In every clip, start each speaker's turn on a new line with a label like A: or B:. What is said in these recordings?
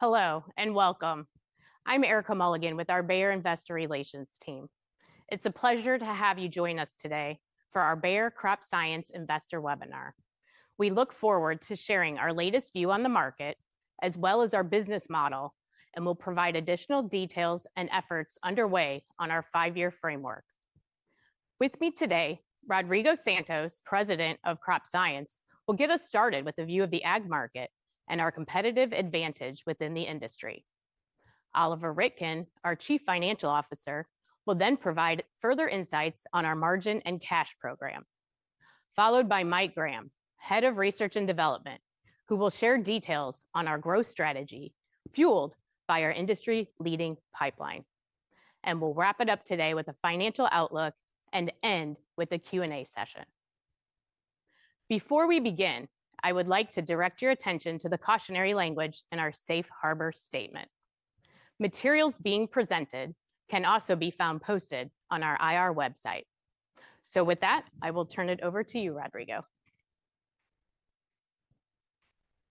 A: Hello and welcome. I'm Erica Mulligan with our Bayer Investor Relations team. It's a pleasure to have you join us today for our Bayer Crop Science Investor Webinar. We look forward to sharing our latest view on the market as well as our business model, and we'll provide additional details and efforts underway on our five-year framework. With me today, Rodrigo Santos, President of Crop Science, will get us started with a view of the ag market and our competitive advantage within the industry. Oliver Z¨ühlke, our Chief Financial Officer, will then provide further insights on our margin and cash program, followed by Mike Graham, Head of Research and Development, who will share details on our growth strategy fueled by our industry-leading pipeline. We'll wrap it up today with a financial outlook and end with a Q&A session. Before we begin, I would like to direct your attention to the cautionary language in our Safe Harbor Statement. Materials being presented can also be found posted on our IR website. With that, I will turn it over to you, Rodrigo.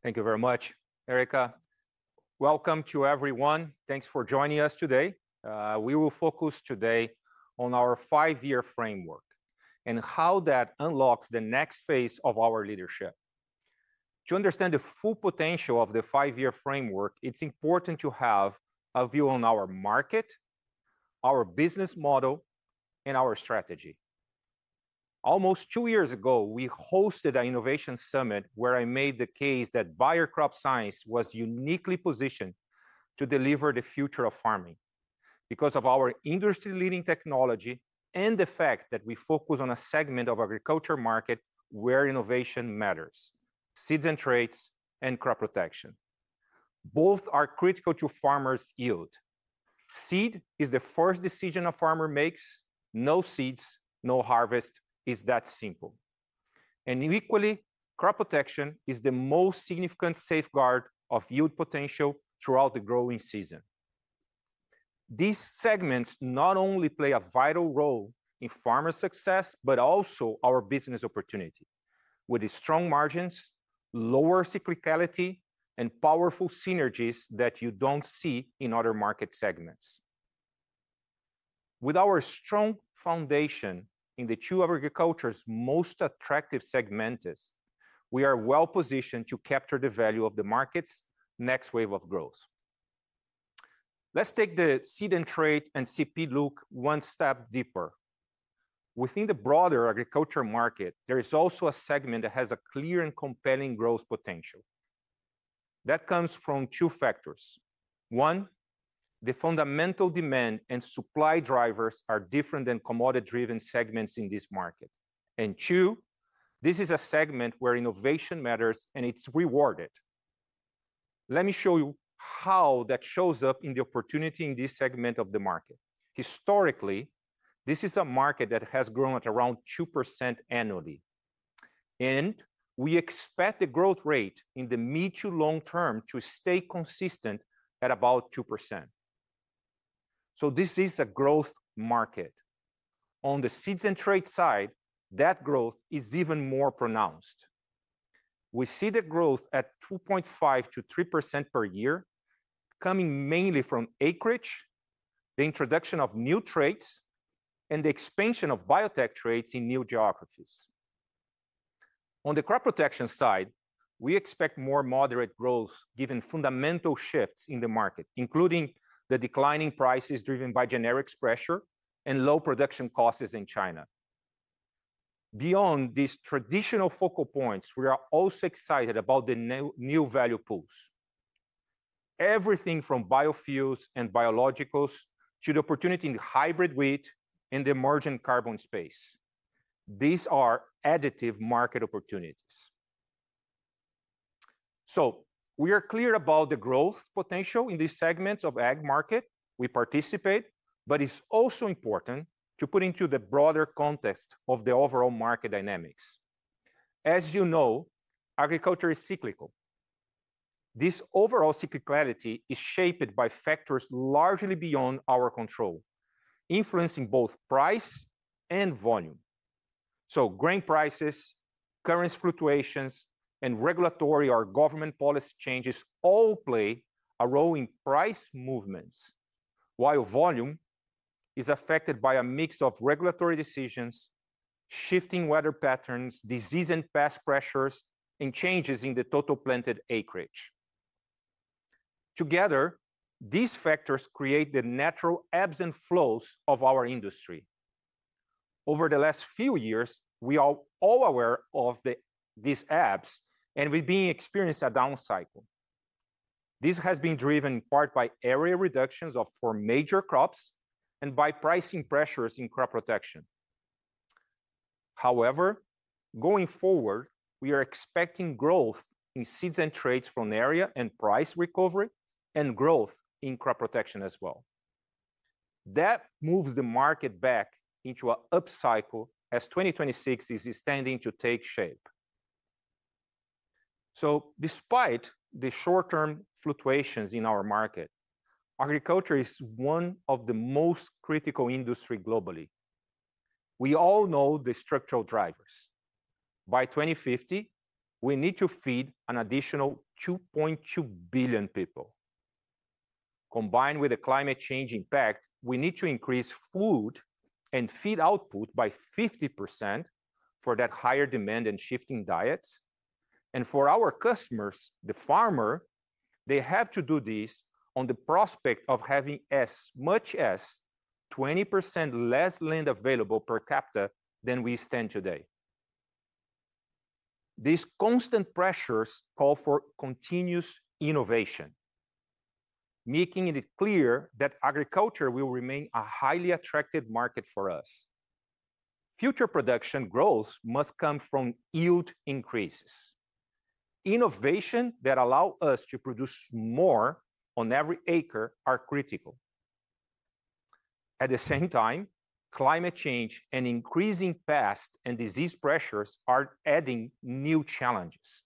B: Thank you very much, Erica. Welcome to everyone. Thanks for joining us today. We will focus today on our five-year framework and how that unlocks the next phase of our leadership. To understand the full potential of the five-year framework, it's important to have a view on our market, our business model, and our strategy. Almost two years ago, we hosted an innovation summit where I made the case that Bayer Crop Science was uniquely positioned to deliver the future of farming because of our industry-leading technology and the fact that we focus on a segment of the agriculture market where innovation matters: Seeds and Traits and Crop Protection. Both are critical to farmers' yield. Seed is the first decision a farmer makes. No seeds, no harvest. It's that simple. Equally, Crop Protection is the most significant safeguard of yield potential throughout the growing season. These segments not only play a vital role in farmer success, but also our business opportunity with strong margins, lower cyclicality, and powerful synergies that you do not see in other market segments. With our strong foundation in two of agriculture's most attractive segments, we are well positioned to capture the value of the market's next wave of growth. Let's take the seed and trait and CP look one step deeper. Within the broader agriculture market, there is also a segment that has a clear and compelling growth potential. That comes from two factors. One, the fundamental demand and supply drivers are different than commodity-driven segments in this market. Two, this is a segment where innovation matters and it is rewarded. Let me show you how that shows up in the opportunity in this segment of the market. Historically, this is a market that has grown at around 2% annually. We expect the growth rate in the mid to long term to stay consistent at about 2%. This is a growth market. On the seeds and trait side, that growth is even more pronounced. We see the growth at 2.5%–3% per year, coming mainly from acreage, the introduction of new traits, and the expansion of biotech traits in new geographies. On the Crop Protection side, we expect more moderate growth given fundamental shifts in the market, including the declining prices driven by generic pressure and low production costs in China. Beyond these traditional focal points, we are also excited about the new value pools. Everything from biofuels and biologicals to the opportunity in Hybrid Wheat and the emerging carbon space. These are additive market opportunities. We are clear about the growth potential in these segments of the ag market. We participate, but it's also important to put into the broader context of the overall market dynamics. As you know, agriculture is cyclical. This overall cyclicality is shaped by factors largely beyond our control, influencing both price and volume. Grain prices, currency fluctuations, and regulatory or government policy changes all play a role in price movements, while volume is affected by a mix of regulatory decisions, shifting weather patterns, disease and pest pressures, and changes in the total planted acreage. Together, these factors create the natural ebbs and flows of our industry. Over the last few years, we are all aware of these ebbs and we've been experiencing a down cycle. This has been driven in part by area reductions for major crops and by pricing pressures in Crop Protection. However, going forward, we are expecting growth in Seeds and Traits from area and price recovery and growth in Crop Protection as well. That moves the market back into an up cycle as 2026 is standing to take shape. Despite the short-term fluctuations in our market, agriculture is one of the most critical industries globally. We all know the structural drivers. By 2050, we need to feed an additional 2.2 billion people. Combined with the climate change impact, we need to increase food and feed output by 50% for that higher demand and shifting diets. For our customers, the farmer, they have to do this on the prospect of having as much as 20% less land available per capita than we stand today. These constant pressures call for continuous innovation, making it clear that agriculture will remain a highly attractive market for us. Future production growth must come from yield increases. Innovation that allows us to produce more on every acre is critical. At the same time, climate change and increasing pest and disease pressures are adding new challenges,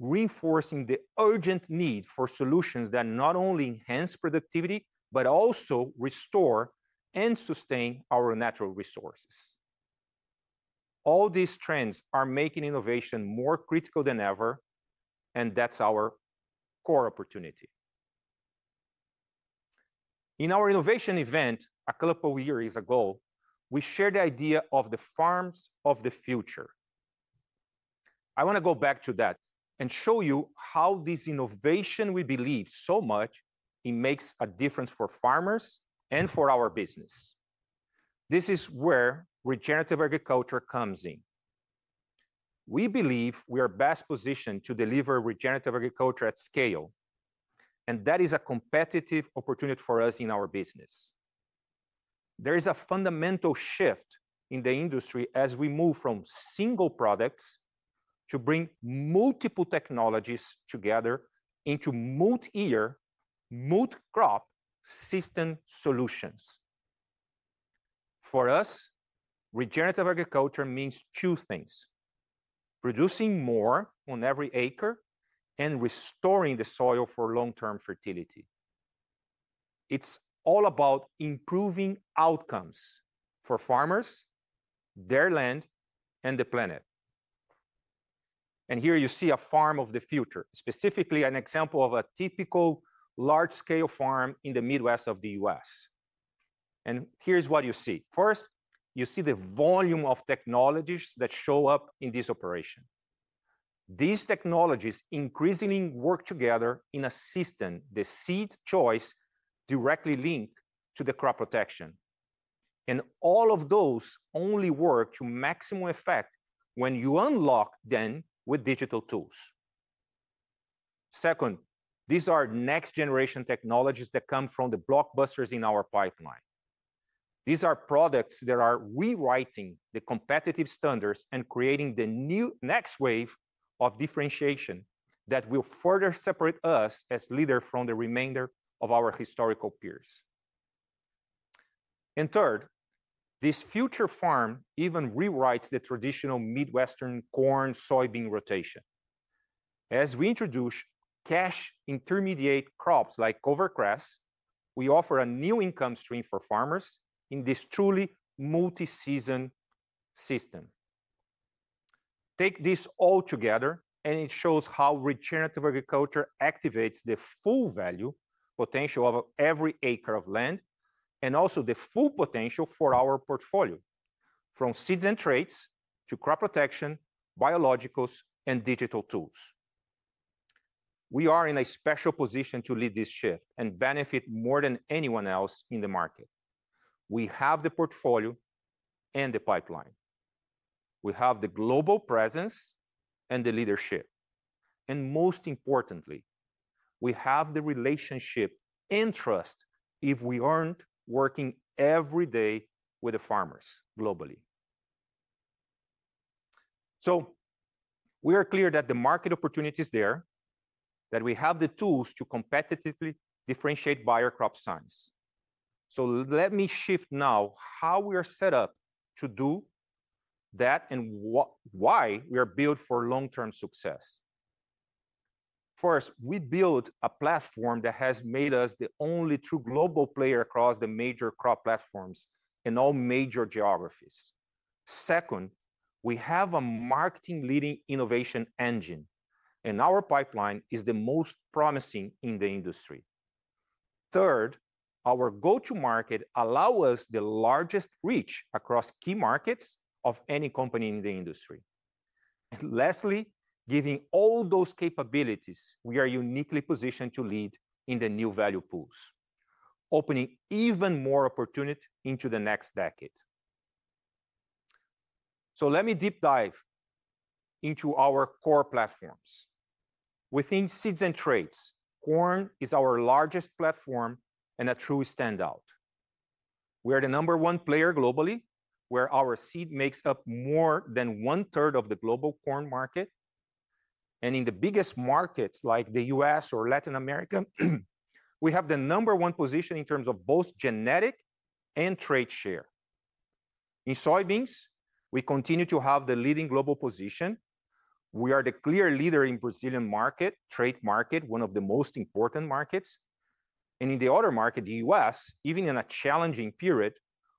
B: reinforcing the urgent need for solutions that not only enhance productivity, but also restore and sustain our natural resources. All these trends are making innovation more critical than ever, and that's our core opportunity. In our innovation event a couple of years ago, we shared the idea of the farms of the future. I want to go back to that and show you how this innovation we believe so much makes a difference for farmers and for our business. This is where regenerative agriculture comes in. We believe we are best positioned to deliver regenerative agriculture at scale, and that is a competitive opportunity for us in our business. There is a fundamental shift in the industry as we move from single products to bring multiple technologies together into multi-year, multi-crop system solutions. For us, regenerative agriculture means two things: producing more on every acre and restoring the soil for long-term fertility. It's all about improving outcomes for farmers, their land, and the planet. Here you see a farm of the future, specifically an example of a typical large-scale farm in the Midwest of the U.S. Here's what you see. First, you see the volume of technologies that show up in this operation. These technologies increasingly work together in a system. The seed choice directly links to the Crop Protection. All of those only work to maximum effect when you unlock them with digital tools. Second, these are next-generation technologies that come from the blockbusters in our pipeline. These are products that are rewriting the competitive standards and creating the new next wave of differentiation that will further separate us as leaders from the remainder of our historical peers. Third, this future farm even rewrites the traditional Midwestern corn, soybean rotation. As we introduce cash-intermediate crops like cover crops, we offer a new income stream for farmers in this truly multi-season system. Take this all together, and it shows how regenerative agriculture activates the full value potential of every acre of land and also the full potential for our portfolio, from Seeds and Traits to Crop Protection, biologicals, and digital tools. We are in a special position to lead this shift and benefit more than anyone else in the market. We have the portfolio and the pipeline. We have the global presence and the leadership. Most importantly, we have the relationship and trust if we are not working every day with the farmers globally. We are clear that the market opportunity is there, that we have the tools to competitively differentiate Bayer Crop Science. Let me shift now to how we are set up to do that and why we are built for long-term success. First, we build a platform that has made us the only true global player across the major crop platforms in all major geographies. Second, we have a market-leading innovation engine, and our pipeline is the most promising in the industry. Third, our go-to-market allows us the largest reach across key markets of any company in the industry. Lastly, given all those capabilities, we are uniquely positioned to lead in the new value pools, opening even more opportunity into the next decade. Let me deep dive into our core platforms. Within Seeds and Traits, corn is our largest platform and a true standout. We are the number one player globally, where our seed makes up more than one-third of the global corn market. In the biggest markets like the U.S. or Latin America, we have the number one position in terms of both genetic and trait share. In soybeans, we continue to have the leading global position. We are the clear leader in the Brazilian market, trait market, one of the most important markets. In the other market, the U.S., even in a challenging period,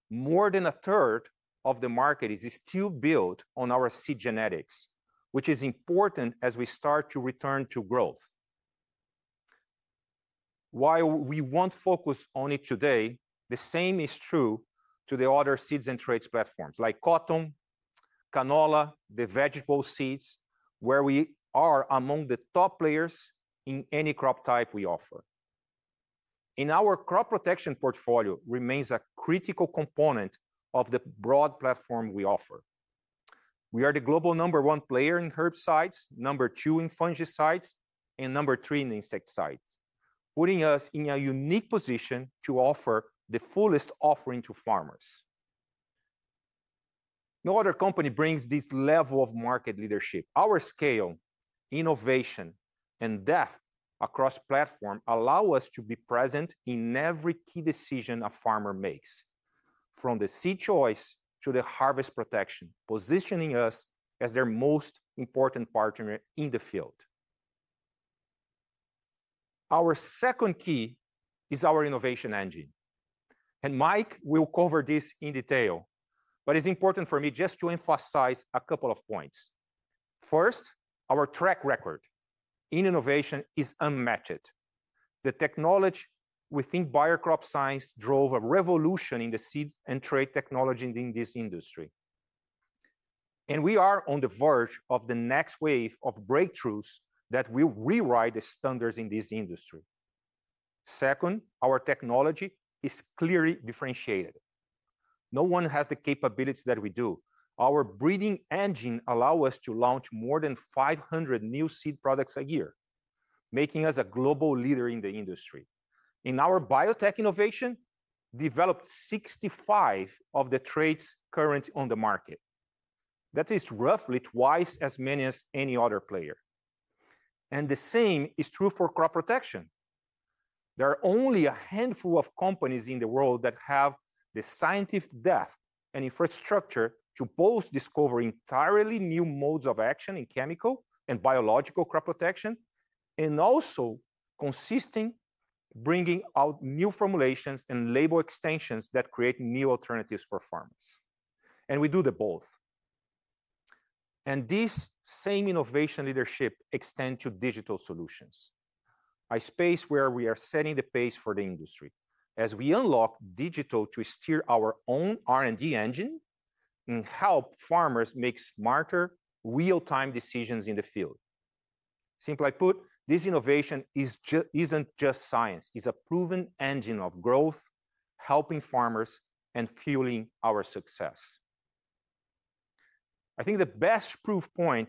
B: more than a third of the market is still built on our seed genetics, which is important as we start to return to growth. While we won't focus on it today, the same is true to the other Seeds and Traits platforms like cotton, canola, the Vegetable Seeds, where we are among the top players in any crop type we offer. Our Crop Protection portfolio remains a critical component of the broad platform we offer. We are the global number one player in herbicides, number two in fungicides, and number three in insecticides, putting us in a unique position to offer the fullest offering to farmers. No other company brings this level of market leadership. Our scale, innovation, and depth across platform allow us to be present in every key decision a farmer makes, from the seed choice to the harvest protection, positioning us as their most important partner in the field. Our second key is our innovation engine. Mike will cover this in detail, but it's important for me just to emphasize a couple of points. First, our track record in innovation is unmatched. The technology within Bayer Crop Science drove a revolution in the seeds and trait technology in this industry. We are on the verge of the next wave of breakthroughs that will rewrite the standards in this industry. Second, our technology is clearly differentiated. No one has the capabilities that we do. Our breeding engine allows us to launch more than 500 new seed products a year, making us a global leader in the industry. In our biotech innovation, we developed 65 of the traits current on the market. That is roughly twice as many as any other player. The same is true for Crop Protection. There are only a handful of companies in the world that have the scientific depth and infrastructure to both discover entirely new modes of action in chemical and biological Crop Protection, and also consistently bringing out new formulations and label extensions that create new alternatives for farmers. We do both. This same innovation leadership extends to digital solutions, a space where we are setting the pace for the industry as we unlock digital to steer our own R&D engine and help farmers make smarter, real-time decisions in the field. Simply put, this innovation is not just science. It is a proven engine of growth, helping farmers and fueling our success. I think the best proof point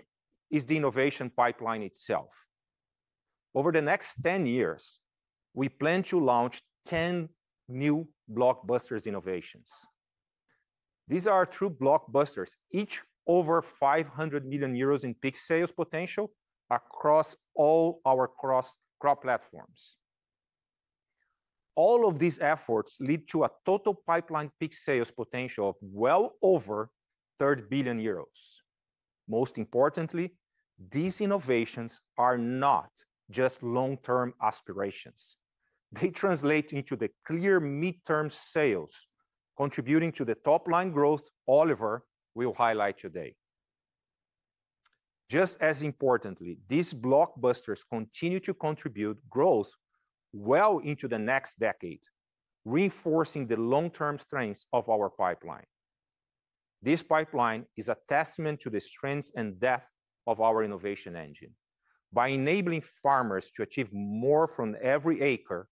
B: is the innovation pipeline itself. Over the next 10 years, we plan to launch 10 new blockbuster innovations. These are true blockbusters, each over 500 million euros in peak sales potential across all our cross-crop platforms. All of these efforts lead to a total pipeline peak sales potential of well over 30 billion euros. Most importantly, these innovations are not just long-term aspirations. They translate into the clear midterm sales, contributing to the top-line growth Oliver will highlight today. Just as importantly, these blockbusters continue to contribute growth well into the next decade, reinforcing the long-term strengths of our pipeline. This pipeline is a testament to the strength and depth of our innovation engine. By enabling farmers to achieve more from every acre,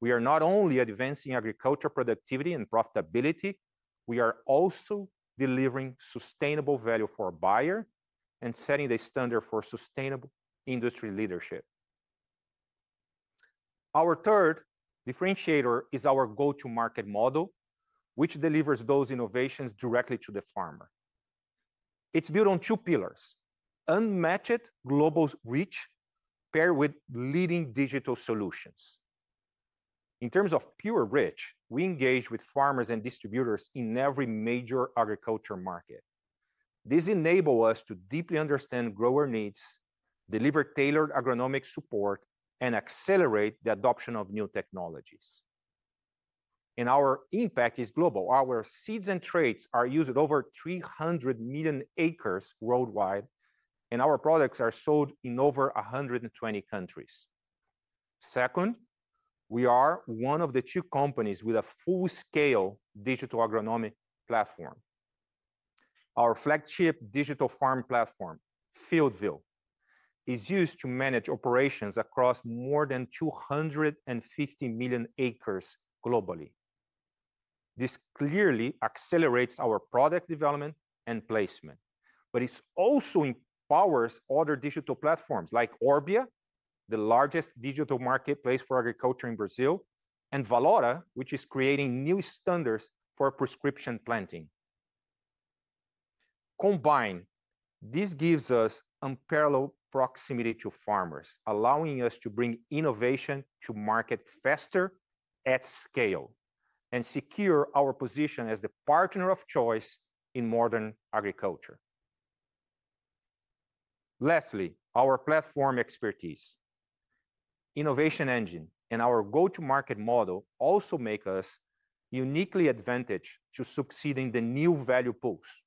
B: we are not only advancing agricultural productivity and profitability, we are also delivering sustainable value for Bayer and setting the standard for sustainable industry leadership. Our third differentiator is our go-to-market model, which delivers those innovations directly to the farmer. It's built on two pillars: unmatched global reach paired with leading digital solutions. In terms of pure reach, we engage with farmers and distributors in every major agricultural market. This enables us to deeply understand grower needs, deliver tailored agronomic support, and accelerate the adoption of new technologies. Our impact is global. Our Seeds and Traits are used at over 300 million acres worldwide, and our products are sold in over 120 countries. Second, we are one of the two companies with a full-scale digital agronomic platform. Our flagship digital farm platform, FieldView, is used to manage operations across more than 250 million acres globally. This clearly accelerates our product development and placement, but it also empowers other digital platforms like Orbia, the largest digital marketplace for agriculture in Brazil, and Valora, which is creating new standards for prescription planting. Combined, this gives us unparalleled proximity to farmers, allowing us to bring innovation to market faster at scale and secure our position as the partner of choice in modern agriculture. Lastly, our platform expertise, innovation engine, and our go-to-market model also make us uniquely advantaged to succeed in the new value pools.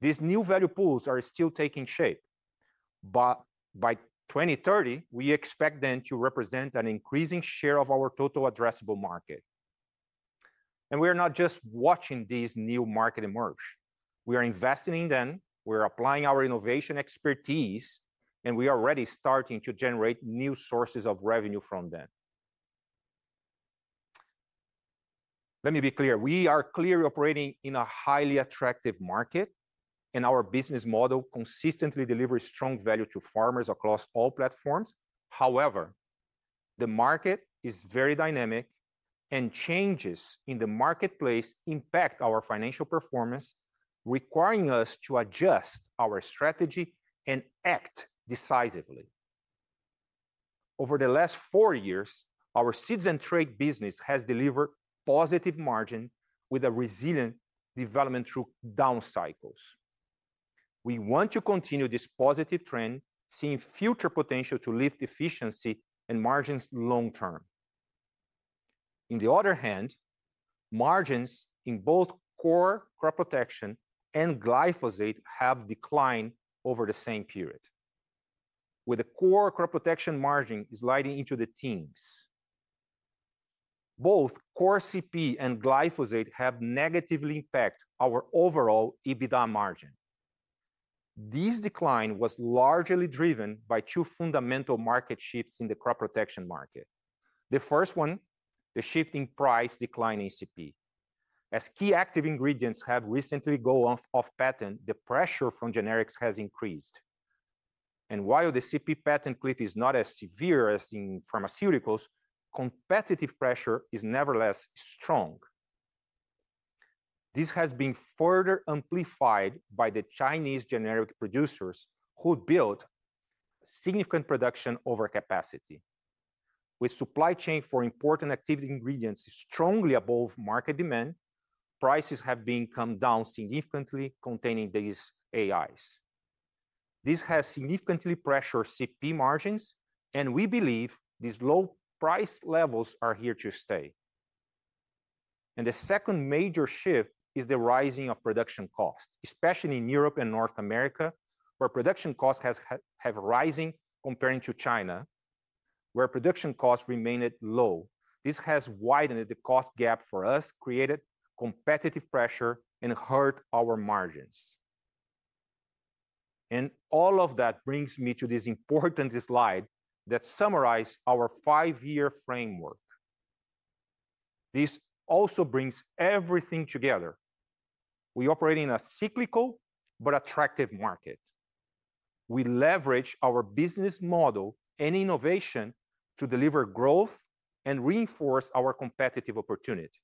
B: These new value pools are still taking shape, but by 2030, we expect them to represent an increasing share of our total addressable market. We are not just watching these new markets emerge. We are investing in them. We are applying our innovation expertise, and we are already starting to generate new sources of revenue from them. Let me be clear. We are clearly operating in a highly attractive market, and our business model consistently delivers strong value to farmers across all platforms. However, the market is very dynamic, and changes in the marketplace impact our financial performance, requiring us to adjust our strategy and act decisively. Over the last four years, our seeds and trait business has delivered positive margins with a resilient development through down cycles. We want to continue this positive trend, seeing future potential to lift efficiency and margins long-term. On the other hand, margins in both core Crop Protection and glyphosate have declined over the same period, with the core Crop Protection margin sliding into the teens. Both core Crop Protection and glyphosate have negatively impacted our overall EBITDA margin. This decline was largely driven by two fundamental market shifts in the Crop Protection market. The first one, the shift in price decline in Crop Protection. As key active ingredients have recently gone off patent, the pressure from generics has increased. While the CP patent cliff is not as severe as in pharmaceuticals, competitive pressure is nevertheless strong. This has been further amplified by the Chinese generic producers who built significant production overcapacity. With supply chains for important active ingredients strongly above market demand, prices have come down significantly containing these AIs. This has significantly pressured CP margins, and we believe these low price levels are here to stay. The second major shift is the rising of production costs, especially in Europe and North America, where production costs have risen compared to China, where production costs remained low. This has widened the cost gap for us, created competitive pressure, and hurt our margins. All of that brings me to this important slide that summarizes our five-year framework. This also brings everything together. We operate in a cyclical but attractive market. We leverage our business model and innovation to deliver growth and reinforce our competitive opportunity.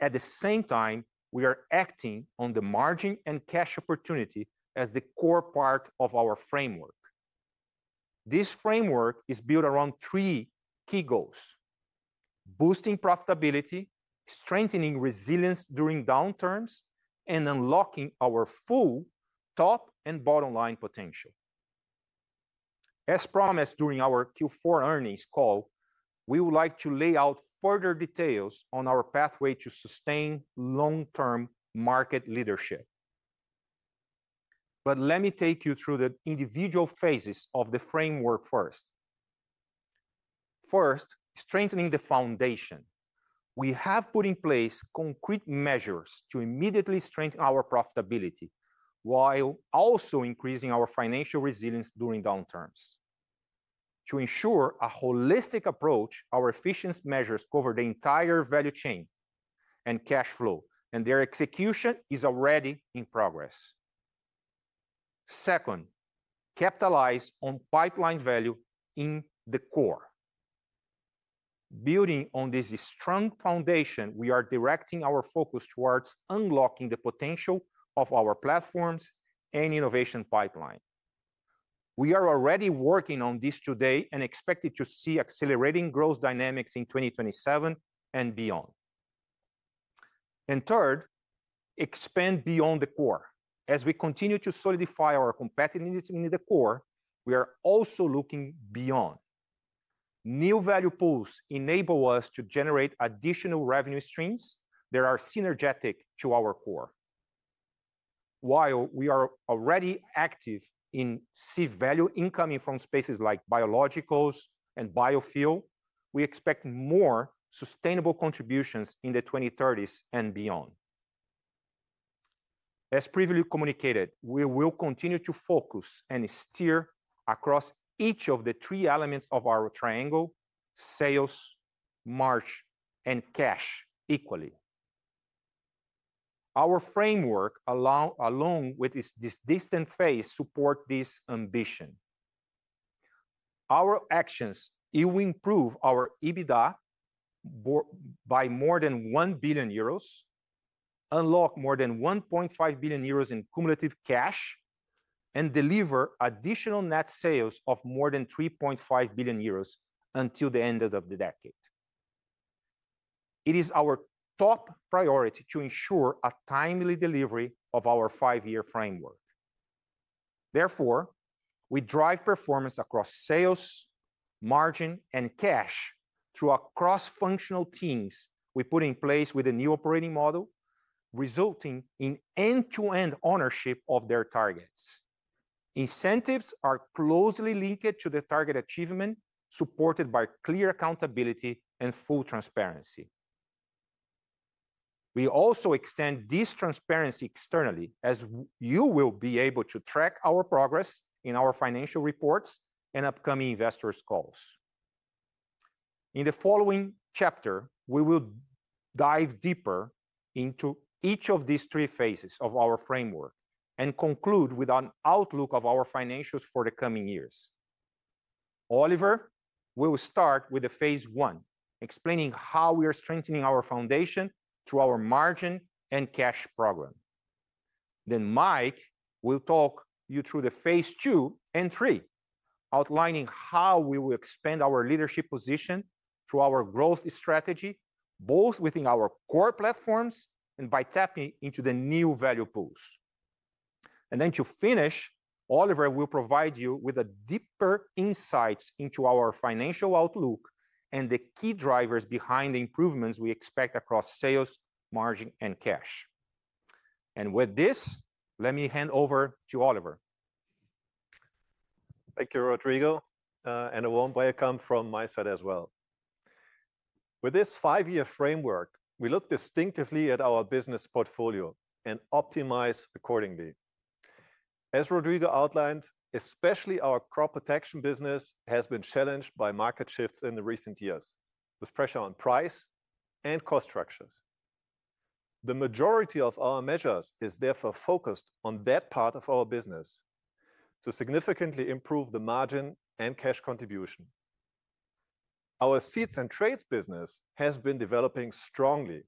B: At the same time, we are acting on the margin and cash opportunity as the core part of our framework. This framework is built around three key goals: boosting profitability, strengthening resilience during downturns, and unlocking our full top and bottom line potential. As promised during our Q4 earnings call, we would like to lay out further details on our pathway to sustain long-term market leadership. Let me take you through the individual phases of the framework first. First, strengthening the foundation. We have put in place concrete measures to immediately strengthen our profitability while also increasing our financial resilience during downturns. To ensure a holistic approach, our efficiency measures cover the entire value chain and cash flow, and their execution is already in progress. Second, capitalize on pipeline value in the core. Building on this strong foundation, we are directing our focus towards unlocking the potential of our platforms and innovation pipeline. We are already working on this today and expect to see accelerating growth dynamics in 2027 and beyond. Third, expand beyond the core. As we continue to solidify our competitiveness in the core, we are also looking beyond. New value pools enable us to generate additional revenue streams that are synergetic to our core. While we are already active in seed value incoming from spaces like biologicals and biofuel, we expect more sustainable contributions in the 2030s and beyond. As previously communicated, we will continue to focus and steer across each of the three elements of our triangle: sales, margin, and cash equally. Our framework, along with this distant phase, supports this ambition. Our actions will improve our EBITDA by more than 1 billion euros, unlock more than 1.5 billion euros in cumulative cash, and deliver additional net sales of more than 3.5 billion euros until the end of the decade. It is our top priority to ensure a timely delivery of our five-year framework. Therefore, we drive performance across sales, margin, and cash through cross-functional teams we put in place with a new operating model, resulting in end-to-end ownership of their targets. Incentives are closely linked to the target achievement, supported by clear accountability and full transparency. We also extend this transparency externally, as you will be able to track our progress in our financial reports and upcoming investors' calls. In the following chapter, we will dive deeper into each of these three phases of our framework and conclude with an outlook of our financials for the coming years. Oliver will start with phase one, explaining how we are strengthening our foundation through our margin and cash program. Mike will talk you through phase two and three, outlining how we will expand our leadership position through our growth strategy, both within our core platforms and by tapping into the new value pools. To finish, Oliver will provide you with deeper insights into our financial outlook and the key drivers behind the improvements we expect across sales, margin, and cash. With this, let me hand over to Oliver.
C: Thank you, Rodrigo, and a warm welcome from my side as well. With this five-year framework, we look distinctively at our business portfolio and optimize accordingly. As Rodrigo outlined, especially our Crop Protection business has been challenged by market shifts in recent years with pressure on price and cost structures. The majority of our measures is therefore focused on that part of our business to significantly improve the margin and cash contribution. Our Seeds and Traits business has been developing strongly.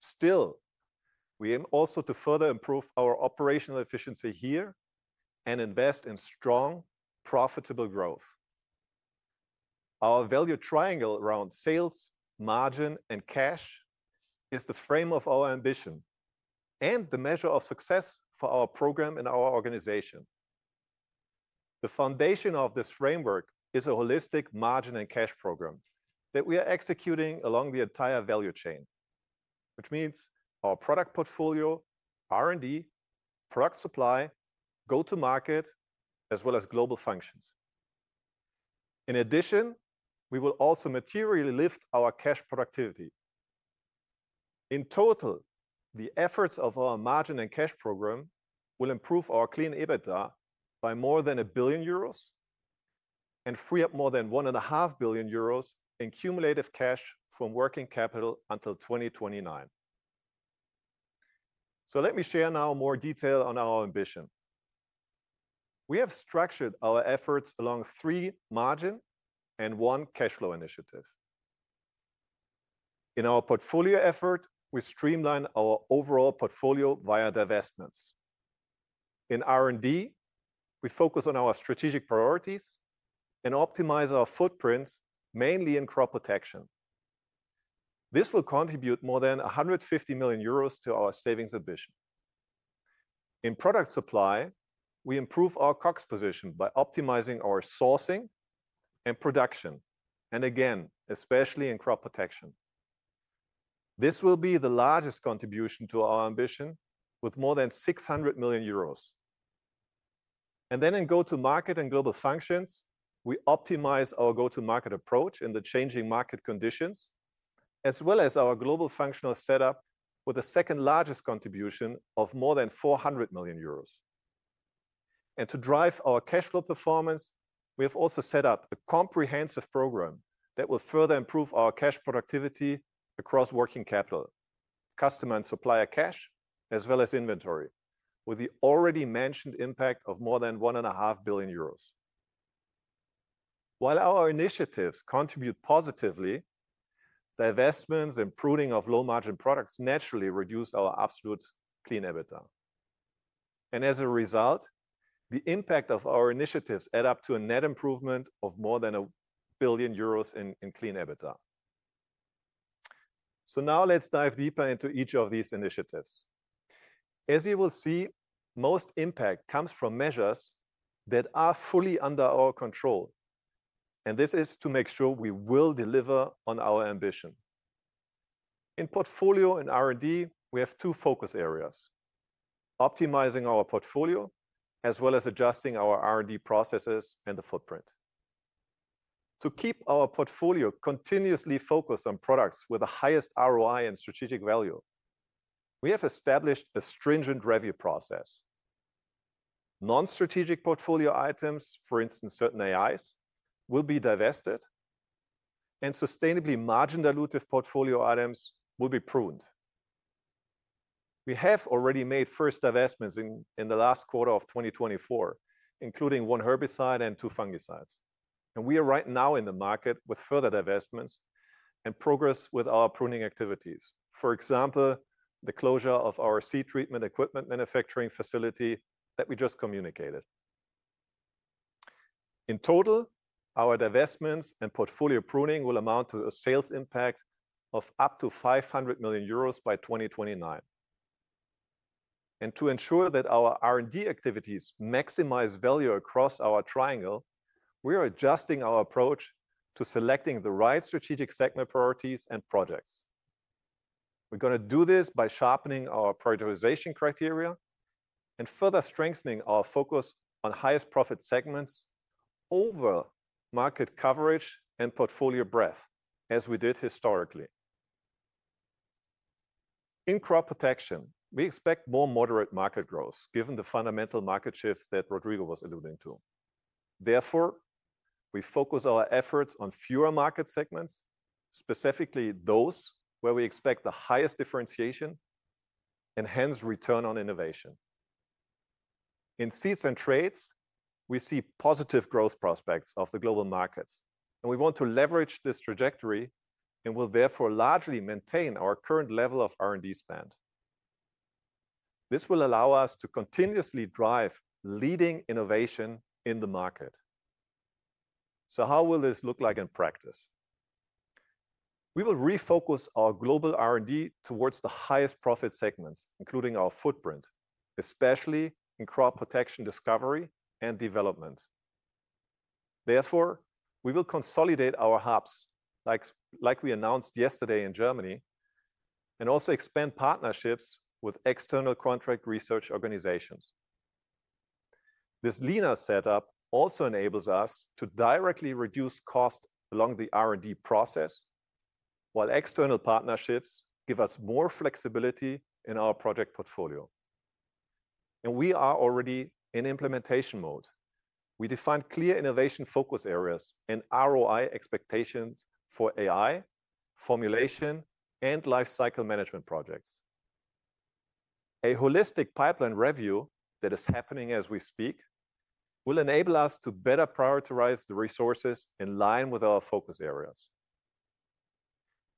C: Still, we aim also to further improve our operational efficiency here and invest in strong, profitable growth. Our value triangle around sales, margin, and cash is the frame of our ambition and the measure of success for our program and our organization. The foundation of this framework is a holistic margin and cash program that we are executing along the entire value chain, which means our product portfolio, R&D, product supply, go-to-market, as well as global functions. In addition, we will also materially lift our cash productivity. In total, the efforts of our margin and cash program will improve our clean EBITDA by more than 1 billion euros and free up more than 1.5 billion euros in cumulative cash from working capital until 2029. Let me share now more detail on our ambition. We have structured our efforts along three margin and one cash flow initiatives. In our portfolio effort, we streamline our overall portfolio via divestments. In R&D, we focus on our strategic priorities and optimize our footprint mainly in Crop Protection. This will contribute more than 150 million euros to our savings ambition. In product supply, we improve our COX position by optimizing our sourcing and production, and again, especially in Crop Protection. This will be the largest contribution to our ambition with more than 600 million euros. In go-to-market and global functions, we optimize our go-to-market approach in the changing market conditions, as well as our global functional setup with the second-largest contribution of more than 400 million euros. To drive our cash flow performance, we have also set up a comprehensive program that will further improve our cash productivity across working capital, customer and supplier cash, as well as inventory, with the already mentioned impact of more than 1.5 billion euros. While our initiatives contribute positively, divestments and pruning of low-margin products naturally reduce our absolute clean EBITDA. As a result, the impact of our initiatives adds up to a net improvement of more than 1 billion euros in clean EBITDA. Now let's dive deeper into each of these initiatives. As you will see, most impact comes from measures that are fully under our control. This is to make sure we will deliver on our ambition. In portfolio and R&D, we have two focus areas: optimizing our portfolio, as well as adjusting our R&D processes and the footprint. To keep our portfolio continuously focused on products with the highest ROI and strategic value, we have established a stringent review process. Non-strategic portfolio items, for instance, certain AIs, will be divested, and sustainably margin-dilutive portfolio items will be pruned. We have already made first divestments in the last quarter of 2024, including one herbicide and two fungicides. We are right now in the market with further divestments and progress with our pruning activities, for example, the closure of our seed treatment equipment manufacturing facility that we just communicated. In total, our divestments and portfolio pruning will amount to a sales impact of up to 500 million euros by 2029. To ensure that our R&D activities maximize value across our triangle, we are adjusting our approach to selecting the right strategic segment priorities and projects. We're going to do this by sharpening our prioritization criteria and further strengthening our focus on highest profit segments over market coverage and portfolio breadth, as we did historically. In Crop Protection, we expect more moderate market growth given the fundamental market shifts that Rodrigo was alluding to. Therefore, we focus our efforts on fewer market segments, specifically those where we expect the highest differentiation and hence return on innovation. In Seeds and Traits, we see positive growth prospects of the global markets, and we want to leverage this trajectory and will therefore largely maintain our current level of R&D spend. This will allow us to continuously drive leading innovation in the market. How will this look like in practice? We will refocus our global R&D towards the highest profit segments, including our footprint, especially in Crop Protection discovery and development. Therefore, we will consolidate our hubs, like we announced yesterday in Germany, and also expand partnerships with external contract research organizations. This leaner setup also enables us to directly reduce costs along the R&D process, while external partnerships give us more flexibility in our project portfolio. We are already in implementation mode. We defined clear innovation focus areas and ROI expectations for AI formulation and lifecycle management projects. A holistic pipeline review that is happening as we speak will enable us to better prioritize the resources in line with our focus areas.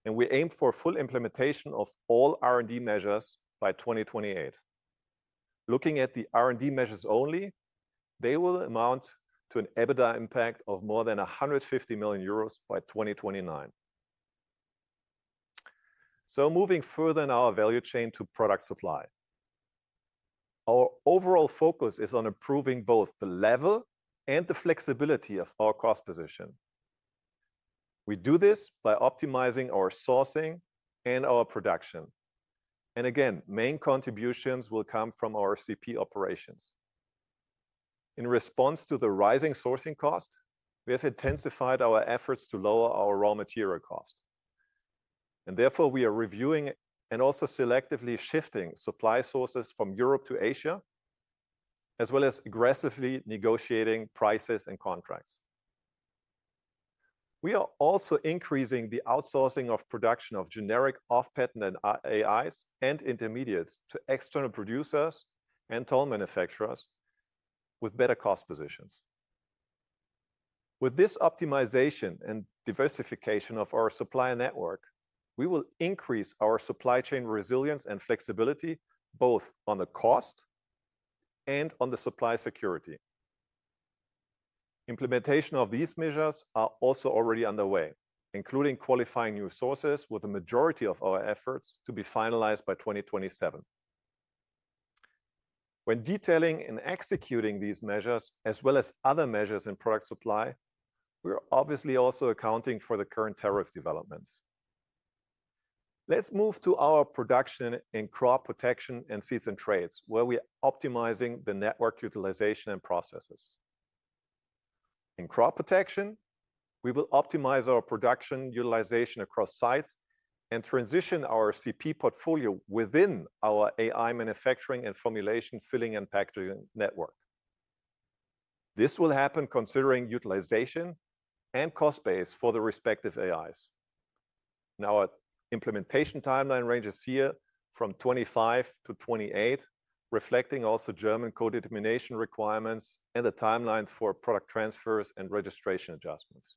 C: We aim for full implementation of all R&D measures by 2028. Looking at the R&D measures only, they will amount to an EBITDA impact of more than 150 million euros by 2029. Moving further in our value chain to product supply, our overall focus is on improving both the level and the flexibility of our cost position. We do this by optimizing our sourcing and our production. Again, main contributions will come from our CP operations. In response to the rising sourcing cost, we have intensified our efforts to lower our raw material cost. Therefore, we are reviewing and also selectively shifting supply sources from Europe to Asia, as well as aggressively negotiating prices and contracts. We are also increasing the outsourcing of production of generic off-patent AIs and intermediates to external producers and toll manufacturers with better cost positions. With this optimization and diversification of our supply network, we will increase our supply chain resilience and flexibility both on the cost and on the supply security. Implementation of these measures is also already underway, including qualifying new sources, with the majority of our efforts to be finalized by 2027. When detailing and executing these measures, as well as other measures in product supply, we are obviously also accounting for the current tariff developments. Let's move to our production in Crop Protection and Seeds and Traits, where we are optimizing the network utilization and processes. In Crop Protection, we will optimize our production utilization across sites and transition our CP portfolio within our AI manufacturing and formulation filling and packaging network. This will happen considering utilization and cost base for the respective AIs. Now, our implementation timeline ranges here from 2025 to 2028, reflecting also German code determination requirements and the timelines for product transfers and registration adjustments.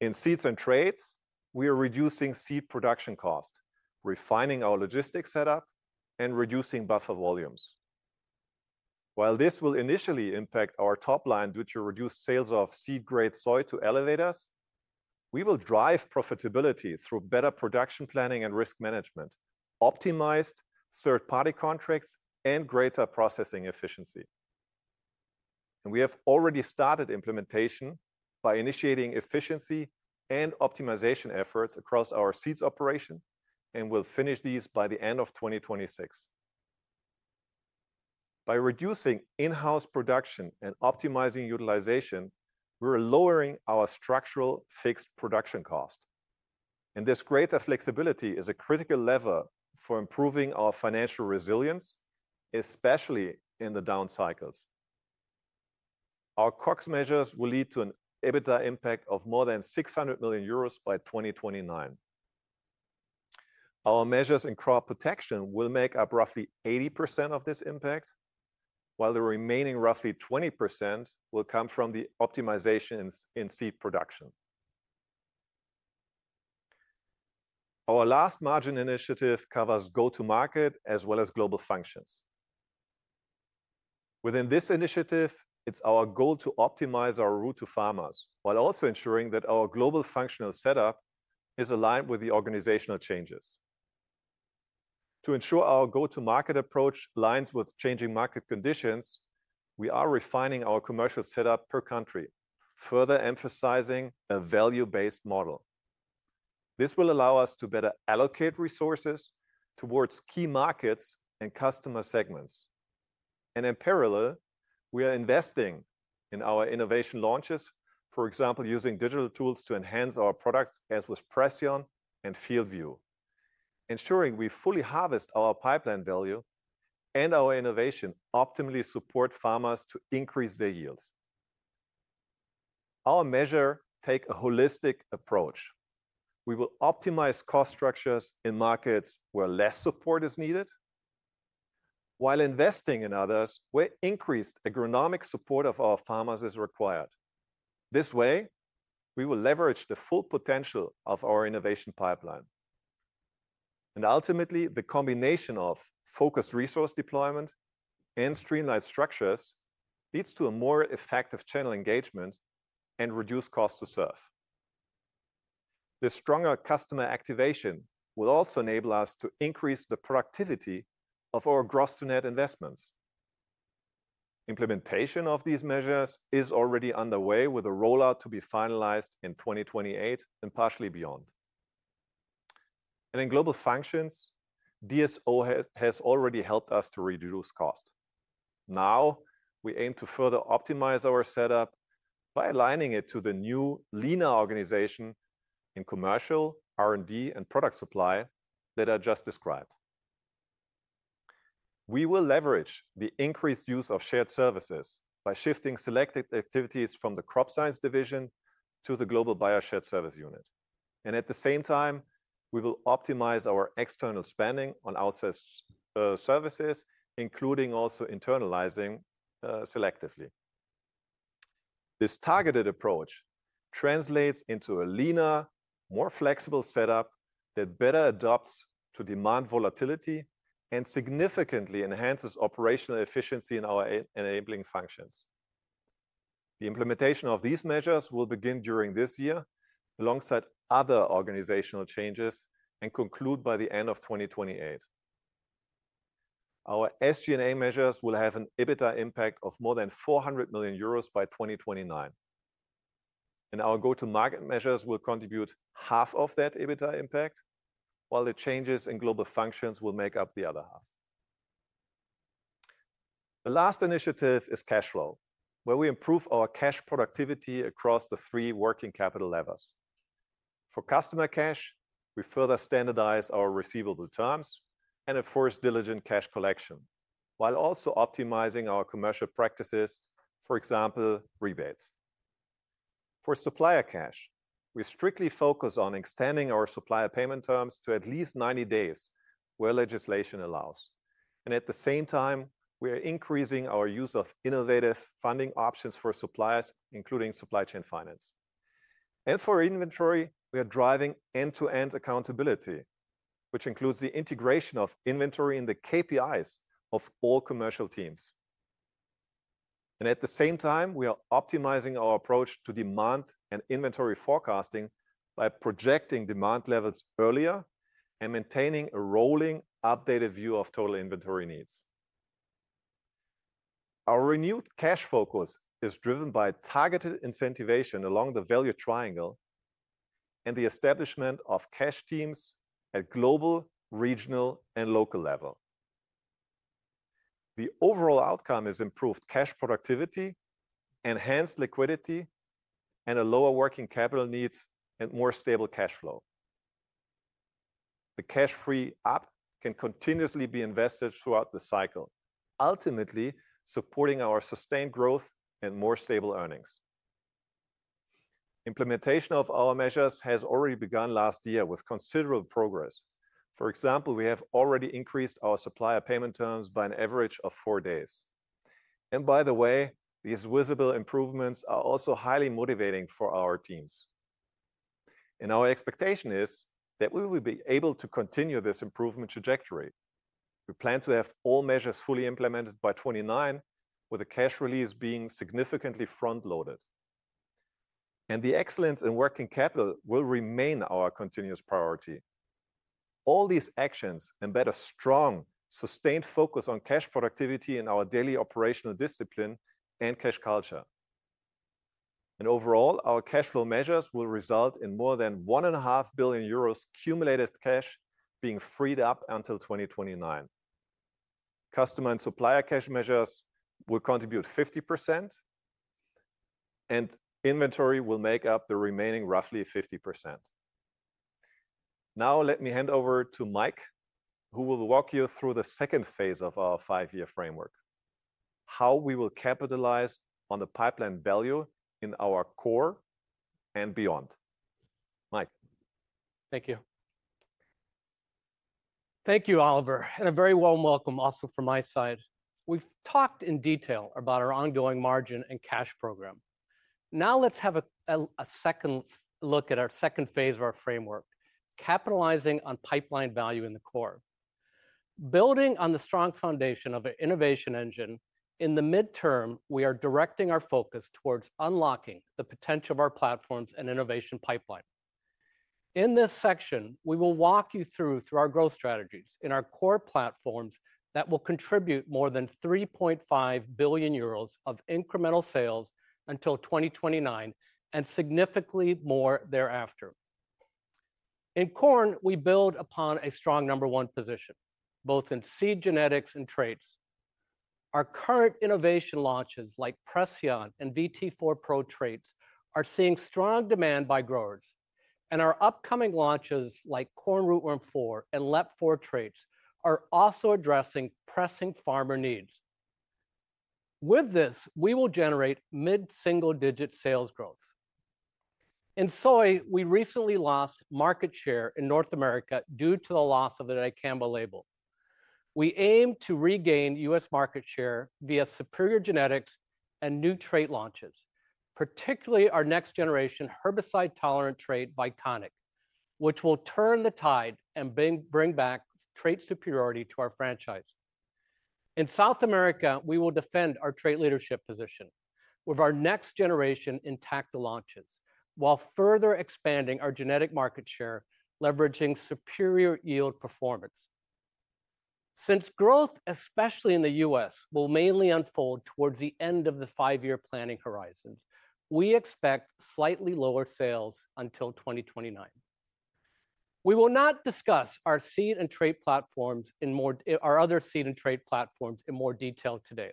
C: In Seeds and Traits, we are reducing seed production cost, refining our logistics setup, and reducing buffer volumes. While this will initially impact our top line due to reduced sales of seed-grade soy to elevators, we will drive profitability through better production planning and risk management, optimized third-party contracts, and greater processing efficiency. We have already started implementation by initiating efficiency and optimization efforts across our seeds operation and will finish these by the end of 2026. By reducing in-house production and optimizing utilization, we are lowering our structural fixed production cost. This greater flexibility is a critical lever for improving our financial resilience, especially in the down cycles. Our COX measures will lead to an EBITDA impact of more than 600 million euros by 2029. Our measures in Crop Protection will make up roughly 80% of this impact, while the remaining roughly 20% will come from the optimizations in seed production. Our last margin initiative covers go-to-market as well as global functions. Within this initiative, it's our goal to optimize our route to farmers while also ensuring that our global functional setup is aligned with the organizational changes. To ensure our go-to-market approach aligns with changing market conditions, we are refining our commercial setup per country, further emphasizing a value-based model. This will allow us to better allocate resources towards key markets and customer segments. In parallel, we are investing in our innovation launches, for example, using digital tools to enhance our products as with Preceon and FieldView, ensuring we fully harvest our pipeline value and our innovation optimally support farmers to increase their yields. Our measures take a holistic approach. We will optimize cost structures in markets where less support is needed, while investing in others where increased agronomic support of our farmers is required. This way, we will leverage the full potential of our innovation pipeline. Ultimately, the combination of focused resource deployment and streamlined structures leads to a more effective channel engagement and reduced cost to serve. This stronger customer activation will also enable us to increase the productivity of our gross-to-net investments. Implementation of these measures is already underway with a rollout to be finalized in 2028 and partially beyond. In global functions, DSO has already helped us to reduce cost. Now, we aim to further optimize our setup by aligning it to the new leaner organization in commercial R&D and product supply that I just described. We will leverage the increased use of shared services by shifting selected activities from the Crop Science division to the global bio-shared service unit. At the same time, we will optimize our external spending on outsourced services, including also internalizing selectively. This targeted approach translates into a leaner, more flexible setup that better adapts to demand volatility and significantly enhances operational efficiency in our enabling functions. The implementation of these measures will begin during this year alongside other organizational changes and conclude by the end of 2028. Our SG&A measures will have an EBITDA impact of more than 400 million euros by 2029. Our go-to-market measures will contribute half of that EBITDA impact, while the changes in global functions will make up the other half. The last initiative is cash flow, where we improve our cash productivity across the three working capital levers. For customer cash, we further standardize our receivable terms and enforce diligent cash collection, while also optimizing our commercial practices, for example, rebates. For supplier cash, we strictly focus on extending our supplier payment terms to at least 90 days, where legislation allows. At the same time, we are increasing our use of innovative funding options for suppliers, including supply chain finance. For inventory, we are driving end-to-end accountability, which includes the integration of inventory in the KPIs of all commercial teams. At the same time, we are optimizing our approach to demand and inventory forecasting by projecting demand levels earlier and maintaining a rolling, updated view of total inventory needs. Our renewed cash focus is driven by targeted incentivation along the value triangle and the establishment of cash teams at global, regional, and local level. The overall outcome is improved cash productivity, enhanced liquidity, lower working capital needs, and more stable cash flow. The cash freed up can continuously be invested throughout the cycle, ultimately supporting our sustained growth and more stable earnings. Implementation of our measures has already begun last year with considerable progress. For example, we have already increased our supplier payment terms by an average of four days. By the way, these visible improvements are also highly motivating for our teams. Our expectation is that we will be able to continue this improvement trajectory. We plan to have all measures fully implemented by 2029, with the cash release being significantly front-loaded. The excellence in working capital will remain our continuous priority. All these actions embed a strong, sustained focus on cash productivity in our daily operational discipline and cash culture. Overall, our cash flow measures will result in more than 1.5 billion euros cumulated cash being freed up until 2029. Customer and supplier cash measures will contribute 50%, and inventory will make up the remaining roughly 50%. Now, let me hand over to Mike, who will walk you through the second phase of our five-year framework, how we will capitalize on the pipeline value in our core and beyond. Mike.
D: Thank you. Thank you, Oliver. And a very warm welcome also from my side. We've talked in detail about our ongoing margin and cash program. Now, let's have a second look at our second phase of our framework, capitalizing on pipeline value in the core. Building on the strong foundation of an innovation engine, in the midterm, we are directing our focus towards unlocking the potential of our platforms and innovation pipeline. In this section, we will walk you through our growth strategies in our core platforms that will contribute more than 3.5 billion euros of incremental sales until 2029 and significantly more thereafter. In corn, we build upon a strong number one position, both in seed genetics and traits. Our current innovation launches like Preceon and VT4 Pro traits are seeing strong demand by growers. Our upcoming launches like Corn Rootworm 4 and LEP4 traits are also addressing pressing farmer needs. With this, we will generate mid-single-digit sales growth. In soy, we recently lost market share in North America due to the loss of the dicamba label. We aim to regain U.S. market share via superior genetics and new trait launches, particularly our next generation herbicide-tolerant trait, Iconic, which will turn the tide and bring back trait superiority to our franchise. In South America, we will defend our trait leadership position with our next generation Intacta launches while further expanding our genetic market share, leveraging superior yield performance. Since growth, especially in the U.S., will mainly unfold towards the end of the five-year planning horizon, we expect slightly lower sales until 2029. We will not discuss our seed and trait platforms in more detail today.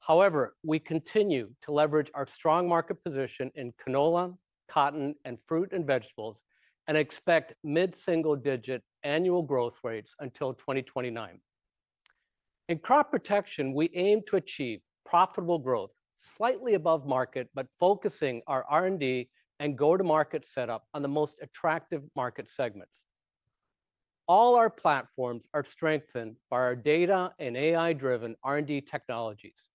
D: However, we continue to leverage our strong market position in Canola, Cotton, and Fruit and Vegetables and expect mid-single-digit annual growth rates until 2029. In Crop Protection, we aim to achieve profitable growth slightly above market, focusing our R&D and go-to-market setup on the most attractive market segments. All our platforms are strengthened by our data and AI-driven R&D technologies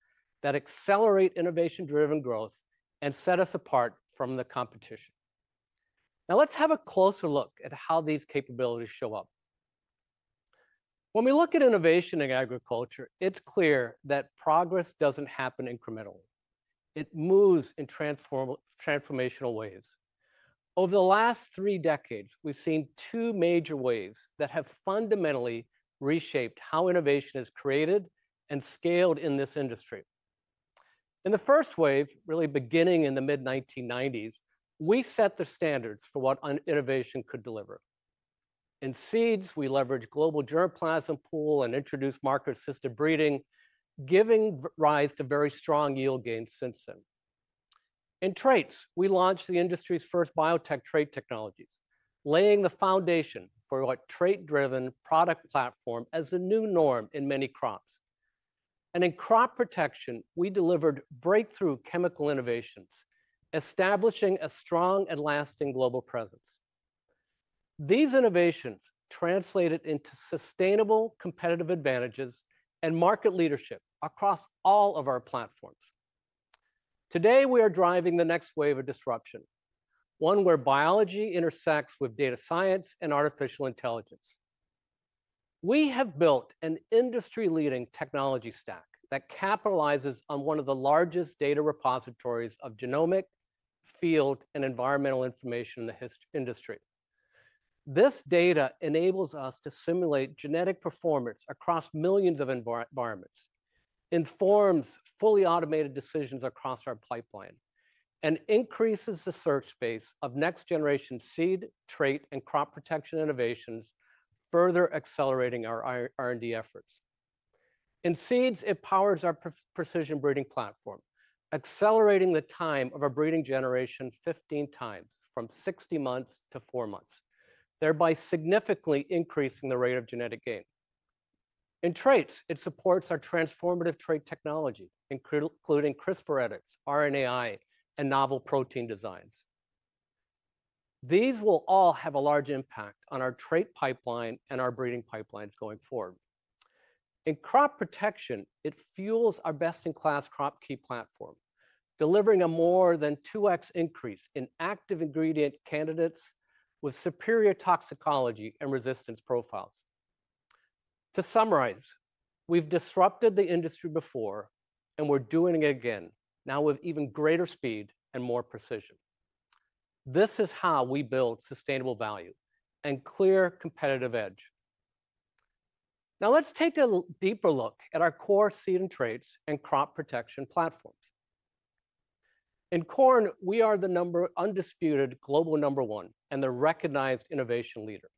D: that accelerate innovation-driven growth and set us apart from the competition. Now, let's have a closer look at how these capabilities show up. When we look at innovation in agriculture, it's clear that progress doesn't happen incrementally. It moves in transformational ways. Over the last three decades, we've seen two major waves that have fundamentally reshaped how innovation is created and scaled in this industry. In the first wave, really beginning in the mid-1990s, we set the standards for what innovation could deliver. In seeds, we leveraged global germplasm pool and introduced marker-assisted breeding, giving rise to very strong yield gains since then. In traits, we launched the industry's first biotech trait technologies, laying the foundation for a trait-driven product platform as a new norm in many crops. In Crop Protection, we delivered breakthrough chemical innovations, establishing a strong and lasting global presence. These innovations translated into sustainable competitive advantages and market leadership across all of our platforms. Today, we are driving the next wave of disruption, one where biology intersects with data science and artificial intelligence. We have built an industry-leading technology stack that capitalizes on one of the largest data repositories of genomic, field, and environmental information in the industry. This data enables us to simulate genetic performance across millions of environments, informs fully automated decisions across our pipeline, and increases the search space of next-generation seed, trait, and Crop Protection innovations, further accelerating our R&D efforts. In seeds, it powers our precision breeding platform, accelerating the time of a breeding generation 15 times from 60 months to four months, thereby significantly increasing the rate of genetic gain. In traits, it supports our transformative trait technology, including CRISPR editors, RNAi, and novel protein designs. These will all have a large impact on our trait pipeline and our breeding pipelines going forward. In Crop Protection, it fuels our best-in-class CropKey platform, delivering a more than 2x increase in active ingredient candidates with superior toxicology and resistance profiles. To summarize, we've disrupted the industry before, and we're doing it again, now with even greater speed and more precision. This is how we build sustainable value and clear competitive edge. Now, let's take a deeper look at our core Seed and Traits and Crop Protection platforms. In corn, we are the undisputed global number one and the recognized innovation leader.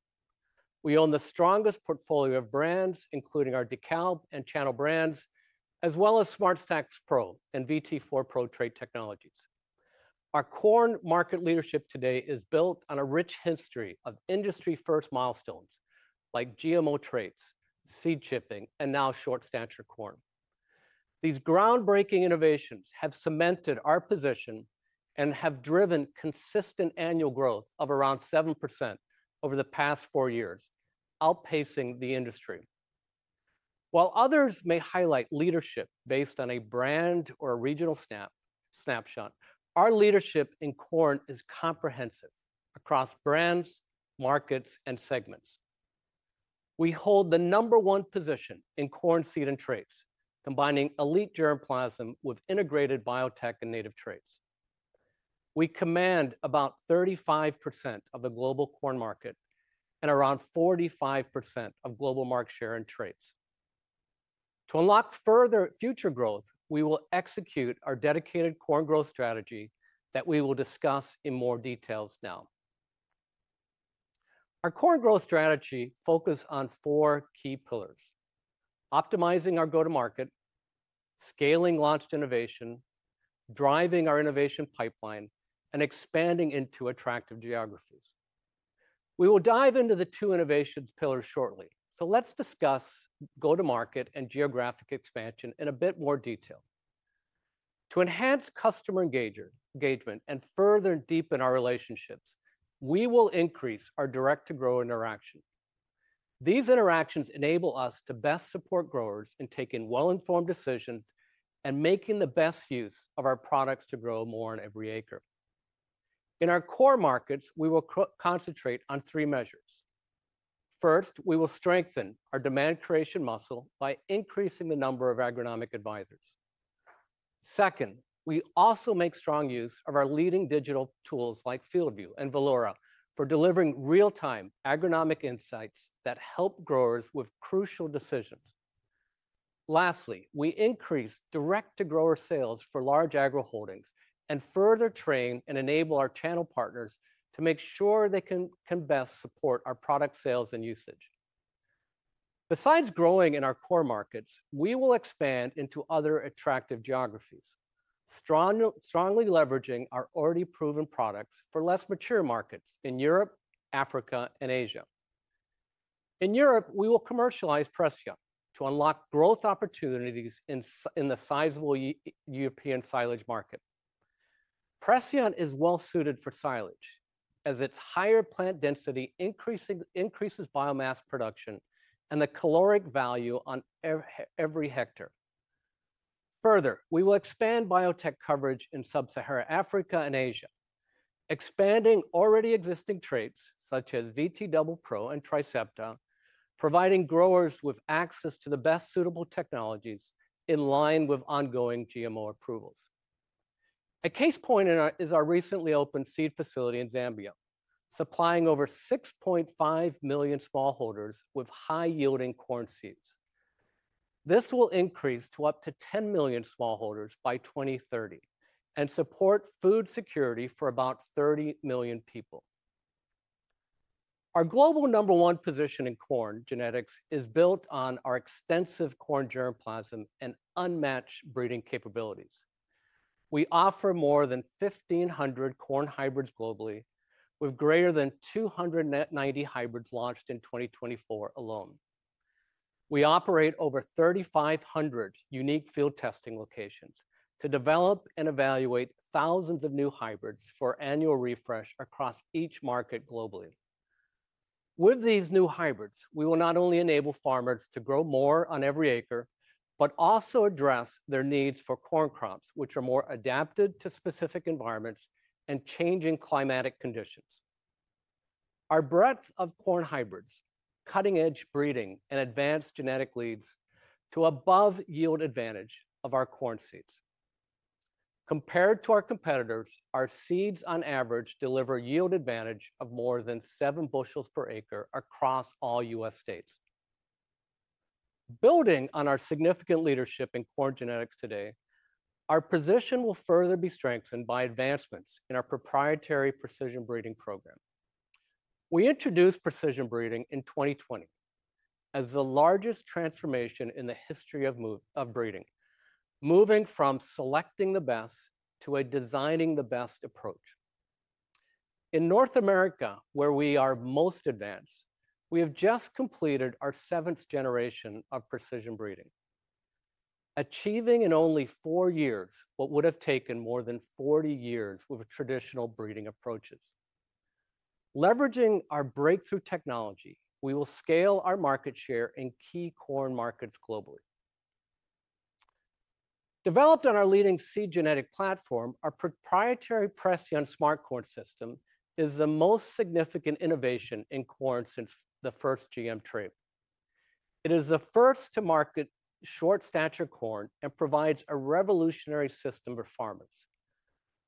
D: We own the strongest portfolio of brands, including our Dicamba and Channel® brands, as well as SmartStax® PRO and VT4 Pro trait technologies. Our corn market leadership today is built on a rich history of industry-first milestones like GMO traits, seed chipping, and now short-statured corn. These groundbreaking innovations have cemented our position and have driven consistent annual growth of around 7% over the past four years, outpacing the industry. While others may highlight leadership based on a brand or a regional snapshot, our leadership in corn is comprehensive across brands, markets, and segments. We hold the number one position in corn Seed and Traits, combining elite germplasm with integrated biotech and native traits. We command about 35% of the global corn market and around 45% of global market share in traits. To unlock further future growth, we will execute our dedicated corn growth strategy that we will discuss in more details now. Our corn growth strategy focuses on four key pillars: optimizing our go-to-market, scaling launched innovation, driving our innovation pipeline, and expanding into attractive geographies. We will dive into the two innovation pillars shortly. Let's discuss go-to-market and geographic expansion in a bit more detail. To enhance customer engagement and further deepen our relationships, we will increase our direct-to-grower interaction. These interactions enable us to best support growers in taking well-informed decisions and making the best use of our products to grow more on every acre. In our core markets, we will concentrate on three measures. First, we will strengthen our demand creation muscle by increasing the number of agronomic advisors. Second, we also make strong use of our leading digital tools like FieldView and Valora for delivering real-time agronomic insights that help growers with crucial decisions. Lastly, we increase direct-to-grower sales for large agro holdings and further train and enable our channel partners to make sure they can best support our product sales and usage. Besides growing in our core markets, we will expand into other attractive geographies, strongly leveraging our already proven products for less mature markets in Europe, Africa, and Asia. In Europe, we will commercialize Preceon to unlock growth opportunities in the sizable European silage market. Preceon is well-suited for silage, as its higher plant density increases biomass production and the caloric value on every hectare. Further, we will expand biotech coverage in Sub-Saharan Africa and Asia, expanding already existing traits such as VT Double Pro and Tricepta, providing growers with access to the best suitable technologies in line with ongoing GMO approvals. A case point is our recently opened seed facility in Zambia, supplying over 6.5 million smallholders with high-yielding corn seeds. This will increase to up to 10 million smallholders by 2030 and support food security for about 30 million people. Our global number one position in corn genetics is built on our extensive corn germplasm and unmatched breeding capabilities. We offer more than 1,500 corn hybrids globally, with greater than 290 hybrids launched in 2024 alone. We operate over 3,500 unique field testing locations to develop and evaluate thousands of new hybrids for annual refresh across each market globally. With these new hybrids, we will not only enable farmers to grow more on every acre, but also address their needs for corn crops, which are more adapted to specific environments and changing climatic conditions. Our breadth of corn hybrids, cutting-edge breeding, and advanced genetic leads to above-yield advantage of our corn seeds. Compared to our competitors, our seeds, on average, deliver yield advantage of more than seven bushels per acre across all U.S. states. Building on our significant leadership in corn genetics today, our position will further be strengthened by advancements in our proprietary precision breeding program. We introduced precision breeding in 2020 as the largest transformation in the history of breeding, moving from selecting the best to a designing the best approach. In North America, where we are most advanced, we have just completed our seventh generation of precision breeding, achieving in only four years what would have taken more than 40 years with traditional breeding approaches. Leveraging our breakthrough technology, we will scale our market share in key corn markets globally. Developed on our leading seed genetic platform, our proprietary Preceon Smart Corn System is the most significant innovation in corn since the first GM trait. It is the first to market short-statured corn and provides a revolutionary system for farmers.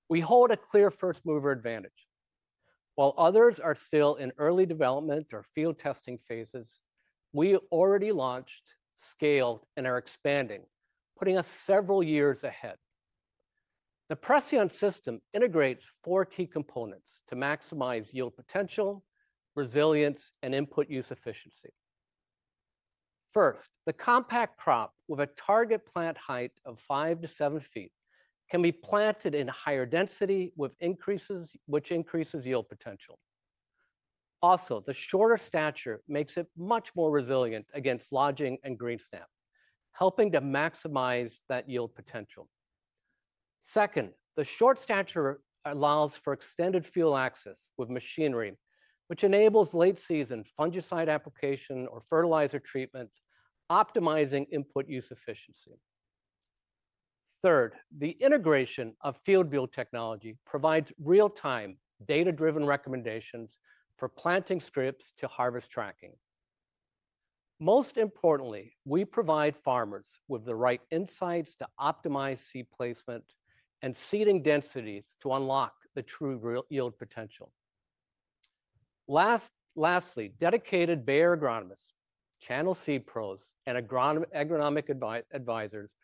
D: We hold a clear first-mover advantage. While others are still in early development or field testing phases, we already launched, scaled, and are expanding, putting us several years ahead. The Preceon system integrates four key components to maximize yield potential, resilience, and input use efficiency. First, the compact crop with a target plant height of 5–7 feet can be planted in higher density, which increases yield potential. Also, the shorter stature makes it much more resilient against lodging and green snap, helping to maximize that yield potential. Second, the short stature allows for extended field access with machinery, which enables late-season fungicide application or fertilizer treatment, optimizing input use efficiency. Third, the integration of FieldView technology provides real-time data-driven recommendations for planting scripts to harvest tracking. Most importantly, we provide farmers with the right insights to optimize seed placement and seeding densities to unlock the true yield potential. Lastly, dedicated Bayer agronomists, channel seed pros, and agronomic advisors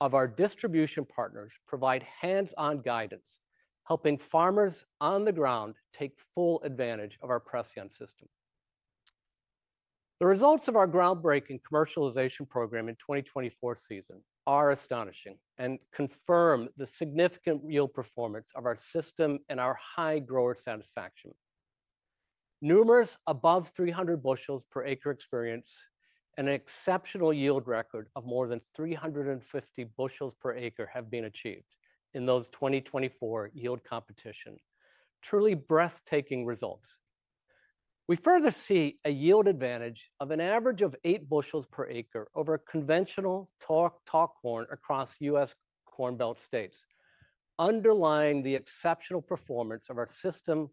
D: of our distribution partners provide hands-on guidance, helping farmers on the ground take full advantage of our Preceon system. The results of our groundbreaking commercialization program in the 2024 season are astonishing and confirm the significant yield performance of our system and our high grower satisfaction. Numerous above 300 bushels per acre experience and an exceptional yield record of more than 350 bushels per acre have been achieved in those 2024 yield competitions. Truly breathtaking results. We further see a yield advantage of an average of eight bushels per acre over conventional tall corn across U.S. corn belt states, underlying the exceptional performance of our system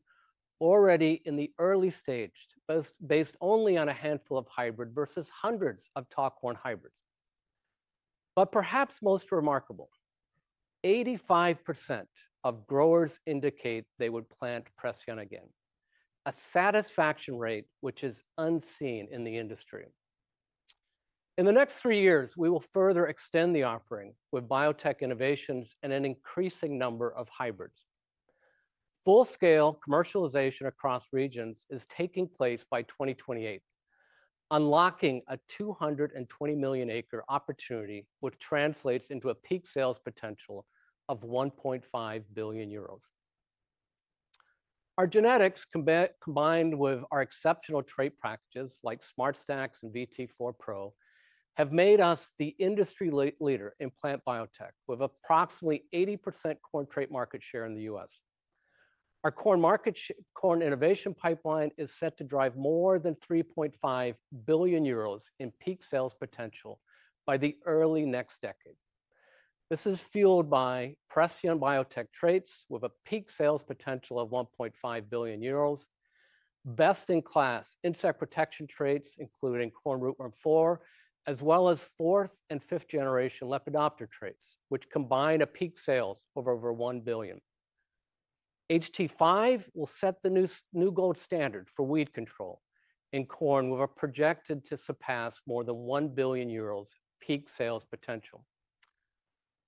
D: already in the early stage, based only on a handful of hybrids versus hundreds of tall corn hybrids. Perhaps most remarkable, 85% of growers indicate they would plant Preceon again, a satisfaction rate which is unseen in the industry. In the next three years, we will further extend the offering with biotech innovations and an increasing number of hybrids. Full-scale commercialization across regions is taking place by 2028, unlocking a 220 million acre opportunity, which translates into a peak sales potential of 1.5 billion euros. Our genetics, combined with our exceptional trait practices like Smart Stacks and VT4 Pro, have made us the industry leader in plant biotech with approximately 80% corn trait market share in the U.S. Our corn innovation pipeline is set to drive more than 3.5 billion euros in peak sales potential by the early next decade. This is fueled by Preceon biotech traits with a peak sales potential of 1.5 billion euros, best-in-class insect protection traits, including corn rootworm 4, as well as 4th- and 5th-generation Lepidoptera traits, which combine a peak sales of over 1 billion. HT5 will set the new gold standard for weed control in corn, which is projected to surpass more than 1 billion euros peak sales potential.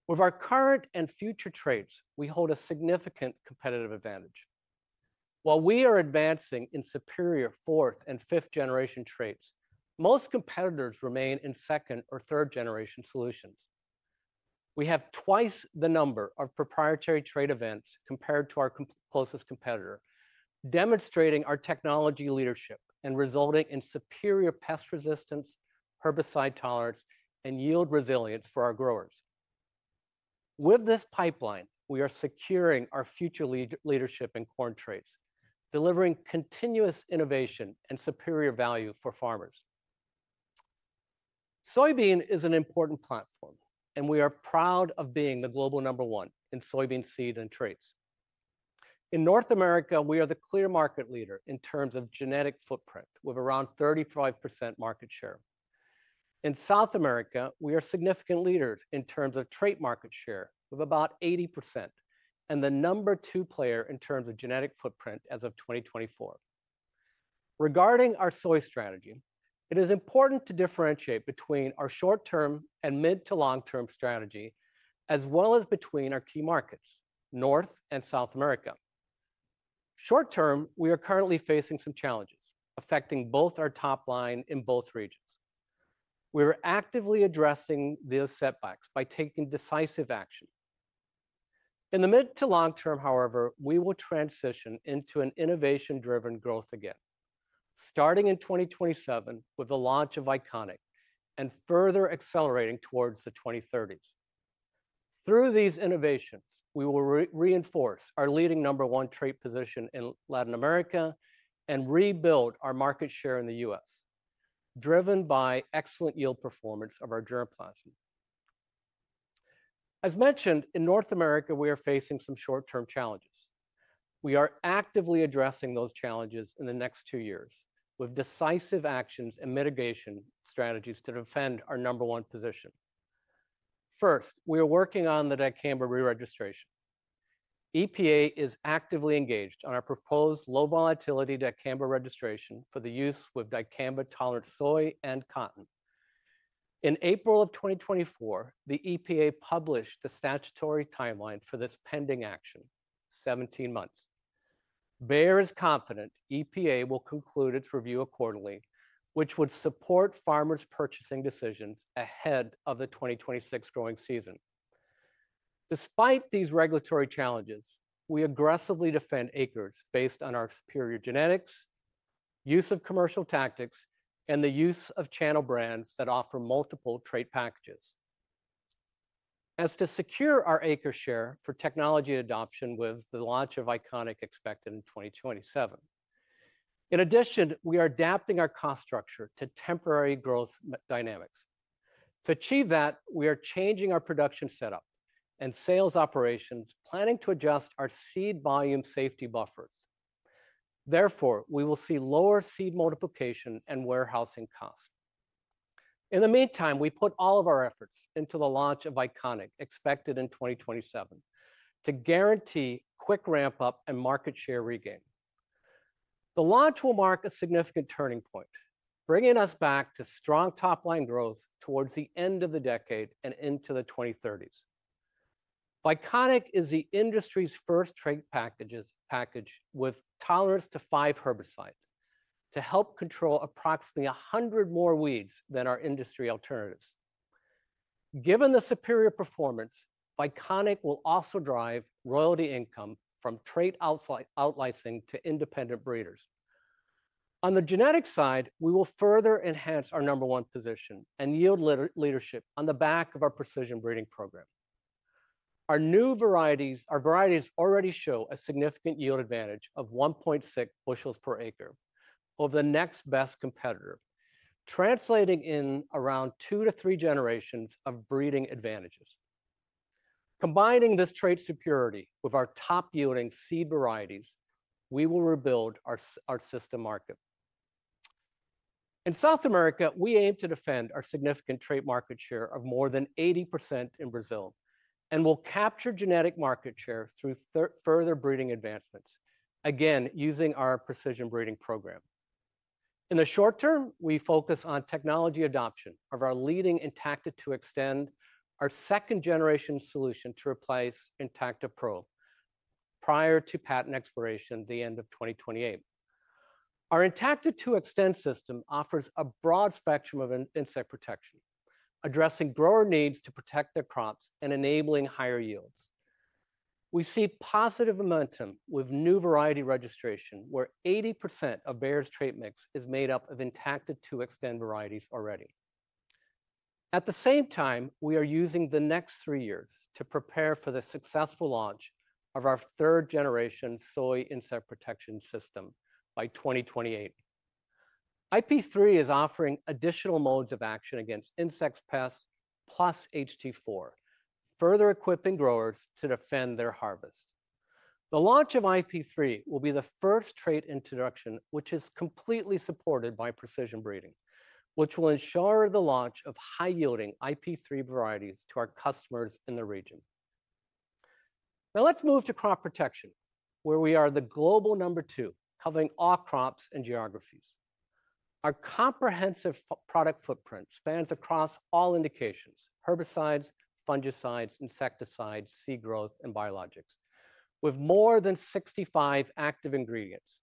D: With our current and future traits, we hold a significant competitive advantage. While we are advancing in superior 4th- and 5th-generation traits, most competitors remain in 2nd- or 3rd-generation solutions. We have twice the number of proprietary trait events compared to our closest competitor, demonstrating our technology leadership and resulting in superior pest resistance, herbicide tolerance, and yield resilience for our growers. With this pipeline, we are securing our future leadership in corn traits, delivering continuous innovation and superior value for farmers. Soybean is an important platform, and we are proud of being the global number one in soybean Seed and Traits. In North America, we are the clear market leader in terms of genetic footprint, with around 35% market share. In South America, we are significant leaders in terms of trait market share, with about 80%, and the number two player in terms of genetic footprint as of 2024. Regarding our soy strategy, it is important to differentiate between our short-term and mid-to-long-term strategy, as well as between our key markets, North and South America. Short-term, we are currently facing some challenges affecting both our top line in both regions. We are actively addressing these setbacks by taking decisive action. In the mid-to-long term, however, we will transition into an innovation-driven growth again, starting in 2027 with the launch of Iconic and further accelerating towards the 2030s. Through these innovations, we will reinforce our leading number one trait position in Latin America and rebuild our market share in the U.S., driven by excellent yield performance of our germplasm. As mentioned, in North America, we are facing some short-term challenges. We are actively addressing those challenges in the next two years with decisive actions and mitigation strategies to defend our number one position. First, we are working on the dicamba re-registration. EPA is actively engaged on our proposed low-volatility dicamba registration for the use with dicamba-tolerant soy and cotton. In April of 2024, the EPA published the statutory timeline for this pending action, 17 months. Bayer is confident EPA will conclude its review accordingly, which would support farmers' purchasing decisions ahead of the 2026 growing season. Despite these regulatory challenges, we aggressively defend acres based on our superior genetics, use of commercial tactics, and the use of Channel® brands that offer multiple trait packages as to secure our acre share for technology adoption with the launch of Iconic expected in 2027. In addition, we are adapting our cost structure to temporary growth dynamics. To achieve that, we are changing our production setup and sales operations, planning to adjust our seed volume safety buffers. Therefore, we will see lower seed multiplication and warehousing costs. In the meantime, we put all of our efforts into the launch of Iconic expected in 2027 to guarantee quick ramp-up and market share regain. The launch will mark a significant turning point, bringing us back to strong top-line growth towards the end of the decade and into the 2030s. Iconic is the industry's first trait package with tolerance to five herbicides to help control approximately 100 more weeds than our industry alternatives. Given the superior performance, Iconic will also drive royalty income from trait outlicensing to independent breeders. On the genetic side, we will further enhance our number one position and yield leadership on the back of our precision breeding program. Our new varieties already show a significant yield advantage of 1.6 bushels per acre over the next best competitor, translating in around two to three generations of breeding advantages. Combining this trait superiority with our top-yielding seed varieties, we will rebuild our system market. In South America, we aim to defend our significant trait market share of more than 80% in Brazil and will capture genetic market share through further breeding advancements, again using our precision breeding program. In the short term, we focus on technology adoption of our leading Intacta 2 Xtend, our second-generation solution to replace Intacta® Pro™ prior to patent expiration at the end of 2028. Our Intacta 2 Xtend system offers a broad spectrum of insect protection, addressing grower needs to protect their crops and enabling higher yields. We see positive momentum with new variety registration, where 80% of Bayer's trait mix is made up of Intacta 2 Xtend varieties already. At the same time, we are using the next three years to prepare for the successful launch of our third-generation soy insect protection system by 2028. IP3 is offering additional modes of action against insect pests plus HT4, further equipping growers to defend their harvest. The launch of IP3 will be the first trait introduction, which is completely supported by precision breeding, which will ensure the launch of high-yielding IP3 varieties to our customers in the region. Now let's move to Crop Protection, where we are the global number two, covering all crops and geographies. Our comprehensive product footprint spans across all indications: herbicides, fungicides, insecticides, seed growth, and biologicals, with more than 65 active ingredients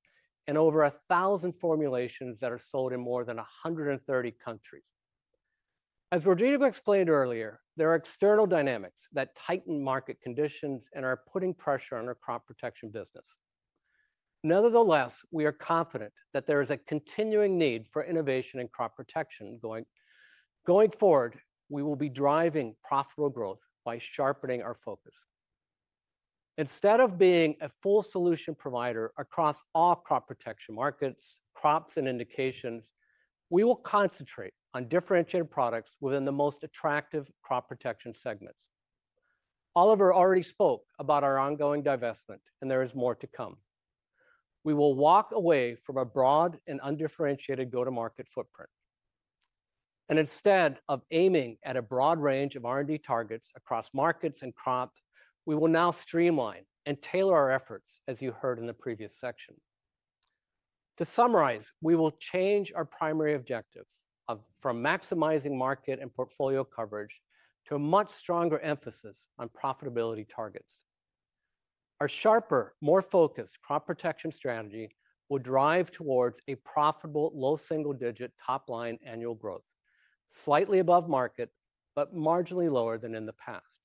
D: and over 1,000 formulations that are sold in more than 130 countries. As Rodrigo explained earlier, there are external dynamics that tighten market conditions and are putting pressure on our Crop Protection business. Nevertheless, we are confident that there is a continuing need for innovation in Crop Protection. Going forward, we will be driving profitable growth by sharpening our focus. Instead of being a full solution provider across all Crop Protection markets, crops, and indications, we will concentrate on differentiated products within the most attractive Crop Protection segments. Oliver already spoke about our ongoing divestment, and there is more to come. We will walk away from a broad and undifferentiated go-to-market footprint. Instead of aiming at a broad range of R&D targets across markets and crops, we will now streamline and tailor our efforts, as you heard in the previous section. To summarize, we will change our primary objectives from maximizing market and portfolio coverage to a much stronger emphasis on profitability targets. Our sharper, more focused Crop Protection strategy will drive towards a profitable low single-digit top-line annual growth, slightly above market, but marginally lower than in the past.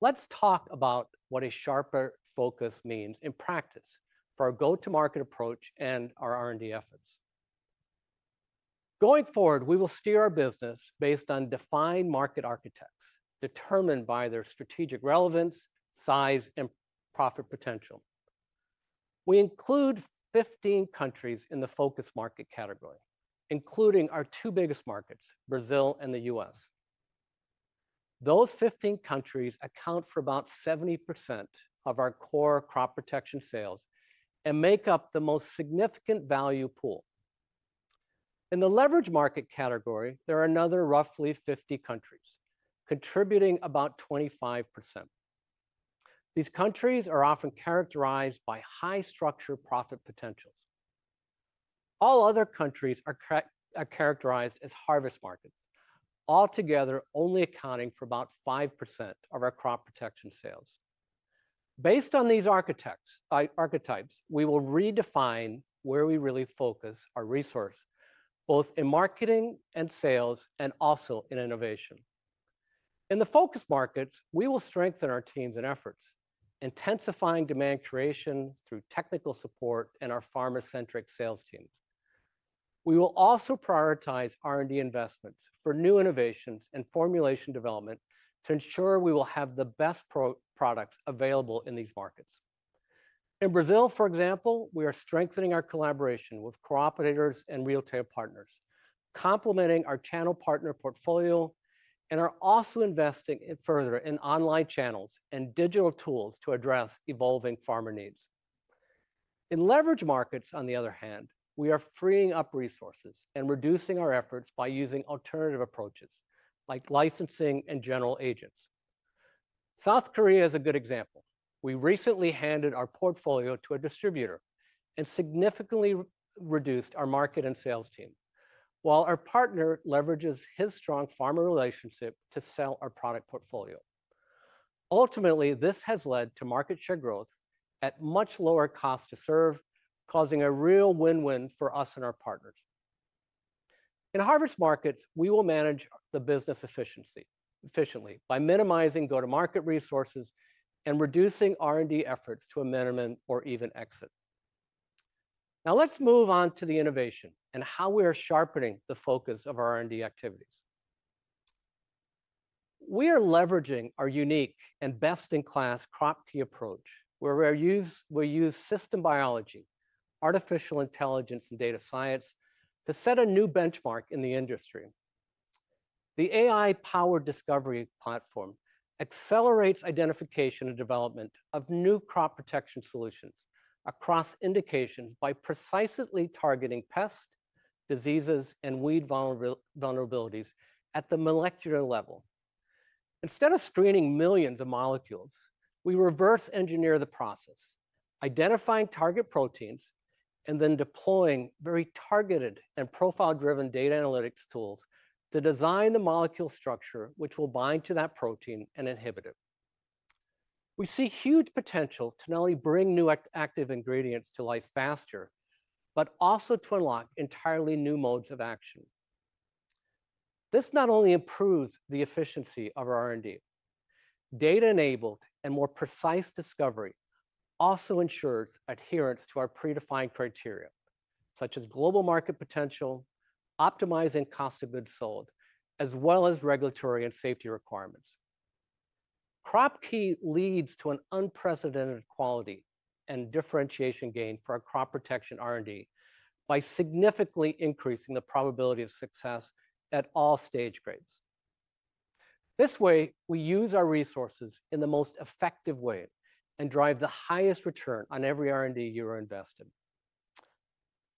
D: Let's talk about what a sharper focus means in practice for our go-to-market approach and our R&D efforts. Going forward, we will steer our business based on defined market archetypes determined by their strategic relevance, size, and profit potential. We include 15 countries in the focus market category, including our two biggest markets, Brazil and the U.S. Those 15 countries account for about 70% of our core Crop Protection sales and make up the most significant value pool. In the leverage market category, there are another roughly 50 countries contributing about 25%. These countries are often characterized by high structure profit potentials. All other countries are characterized as harvest markets, altogether only accounting for about 5% of our Crop Protection sales. Based on these archetypes, we will redefine where we really focus our resources, both in marketing and sales and also in innovation. In the focus markets, we will strengthen our teams and efforts, intensifying demand creation through technical support and our farmer-centric sales teams. We will also prioritize R&D investments for new innovations and formulation development to ensure we will have the best products available in these markets. In Brazil, for example, we are strengthening our collaboration with cooperators and retail partners, complementing our channel partner portfolio, and are also investing further in online channels and digital tools to address evolving farmer needs. In leverage markets, on the other hand, we are freeing up resources and reducing our efforts by using alternative approaches like licensing and general agents. South Korea is a good example. We recently handed our portfolio to a distributor and significantly reduced our market and sales team, while our partner leverages his strong farmer relationship to sell our product portfolio. Ultimately, this has led to market share growth at much lower cost to serve, causing a real win-win for us and our partners. In harvest markets, we will manage the business efficiently by minimizing go-to-market resources and reducing R&D efforts to amendment or even exit. Now let's move on to the innovation and how we are sharpening the focus of our R&D activities. We are leveraging our unique and best-in-class Crop Key approach, where we use system biology, artificial intelligence, and data science to set a new benchmark in the industry. The AI-powered discovery platform accelerates identification and development of new Crop Protection solutions across indications by precisely targeting pests, diseases, and weed vulnerabilities at the molecular level. Instead of screening millions of molecules, we reverse engineer the process, identifying target proteins and then deploying very targeted and profile-driven data analytics tools to design the molecule structure which will bind to that protein and inhibit it. We see huge potential to not only bring new active ingredients to life faster, but also to unlock entirely new modes of action. This not only improves the efficiency of our R&D, data-enabled and more precise discovery also ensures adherence to our predefined criteria, such as global market potential, optimizing cost of goods sold, as well as regulatory and safety requirements. Crop Key leads to an unprecedented quality and differentiation gain for our Crop Protection R&D by significantly increasing the probability of success at all stage grades. This way, we use our resources in the most effective way and drive the highest return on every R&D you are investing.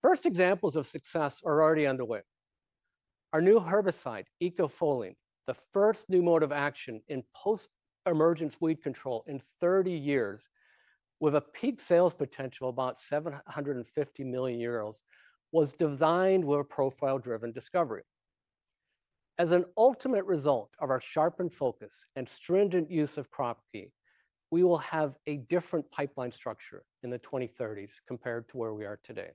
D: First examples of success are already underway. Our new herbicide, Ecofolin, the first new mode of action in post-emergence weed control in 30 years, with a peak sales potential of about 750 million euros, was designed with a profile-driven discovery. As an ultimate result of our sharpened focus and stringent use of Crop Key, we will have a different pipeline structure in the 2030s compared to where we are today.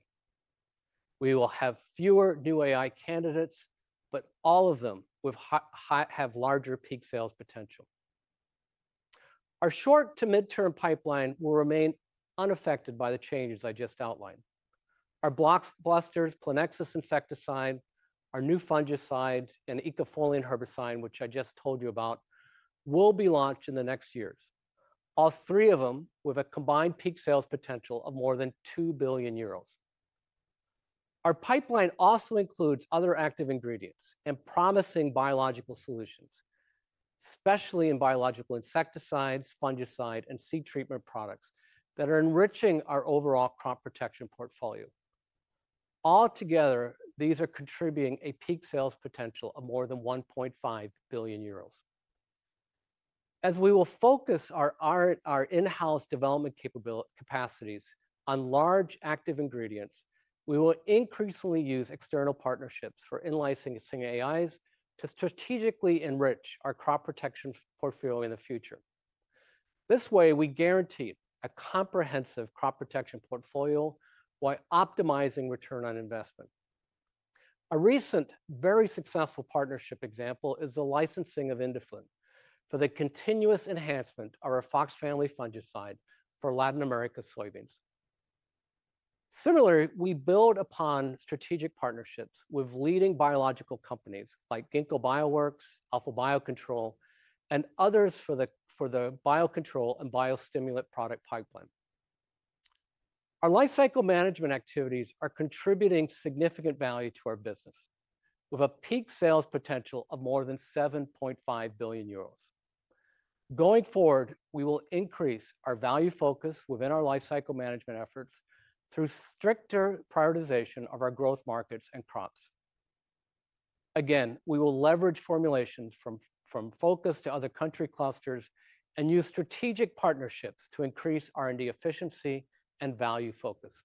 D: We will have fewer new AI candidates, but all of them will have larger peak sales potential. Our short to midterm pipeline will remain unaffected by the changes I just outlined. Our blockbusters, Plenexis insecticide, our new fungicide, and Ecofolin herbicide, which I just told you about, will be launched in the next years, all three of them with a combined peak sales potential of more than 2 billion euros. Our pipeline also includes other active ingredients and promising biological solutions, especially in biological insecticides, fungicide, and seed treatment products that are enriching our overall Crop Protection portfolio. Altogether, these are contributing a peak sales potential of more than 1.5 billion euros. As we will focus our in-house development capacities on large active ingredients, we will increasingly use external partnerships for in-licensing AIs to strategically enrich our Crop Protection portfolio in the future. This way, we guarantee a comprehensive Crop Protection portfolio while optimizing return on investment. A recent, very successful partnership example is the licensing of Indiflin for the continuous enhancement of our Fox Family Fungicide for Latin America soybeans. Similarly, we build upon strategic partnerships with leading biological companies like Ginkgo Bioworks, Alpha BioControl, and others for the biocontrol and biostimulant product pipeline. Our life cycle management activities are contributing significant value to our business, with a peak sales potential of more than 7.5 billion euros. Going forward, we will increase our value focus within our life cycle management efforts through stricter prioritization of our growth markets and crops. Again, we will leverage formulations from focus to other country clusters and use strategic partnerships to increase R&D efficiency and value focus.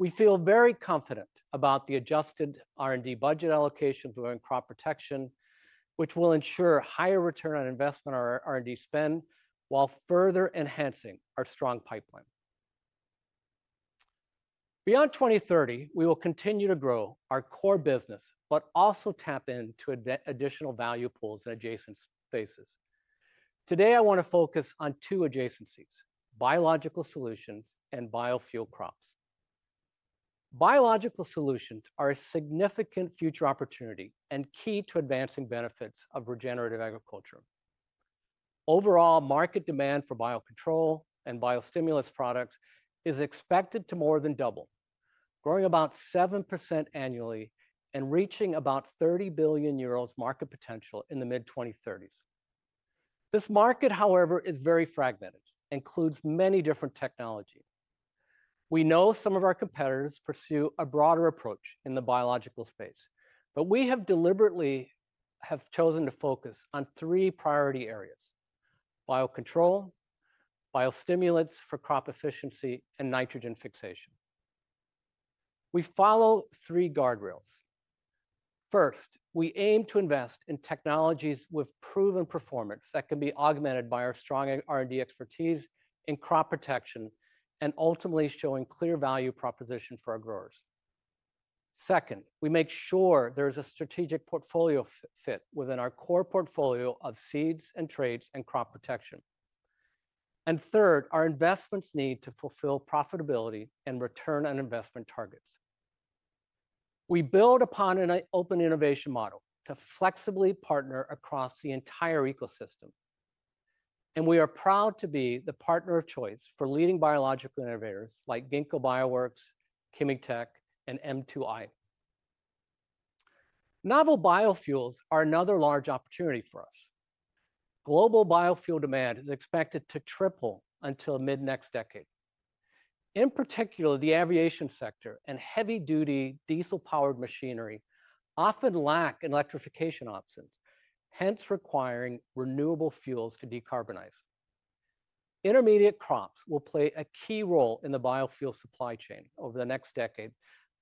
D: We feel very confident about the adjusted R&D budget allocations within Crop Protection, which will ensure higher return on investment of our R&D spend while further enhancing our strong pipeline. Beyond 2030, we will continue to grow our core business, but also tap into additional value pools in adjacent spaces. Today, I want to focus on two adjacencies: biological solutions and biofuel crops. Biological solutions are a significant future opportunity and key to advancing benefits of regenerative agriculture. Overall, market demand for biocontrol and biostimulants products is expected to more than double, growing about 7% annually and reaching about 30 billion euros market potential in the mid-2030s. This market, however, is very fragmented and includes many different technologies. We know some of our competitors pursue a broader approach in the biological space, but we have deliberately chosen to focus on three priority areas: biocontrol, biostimulants for crop efficiency, and nitrogen fixation. We follow three guardrails. First, we aim to invest in technologies with proven performance that can be augmented by our strong R&D expertise in Crop Protection and ultimately showing clear value proposition for our growers. Second, we make sure there is a strategic portfolio fit within our core portfolio of Seeds and Traits and Crop Protection. Third, our investments need to fulfill profitability and return on investment targets. We build upon an open innovation model to flexibly partner across the entire ecosystem, and we are proud to be the partner of choice for leading biological innovators like Ginkgo Bioworks, Kymatech, and M2i. Novel biofuels are another large opportunity for us. Global biofuel demand is expected to triple until mid-next decade. In particular, the aviation sector and heavy-duty diesel-powered machinery often lack electrification options, hence requiring renewable fuels to decarbonize. Intermediate crops will play a key role in the biofuel supply chain over the next decade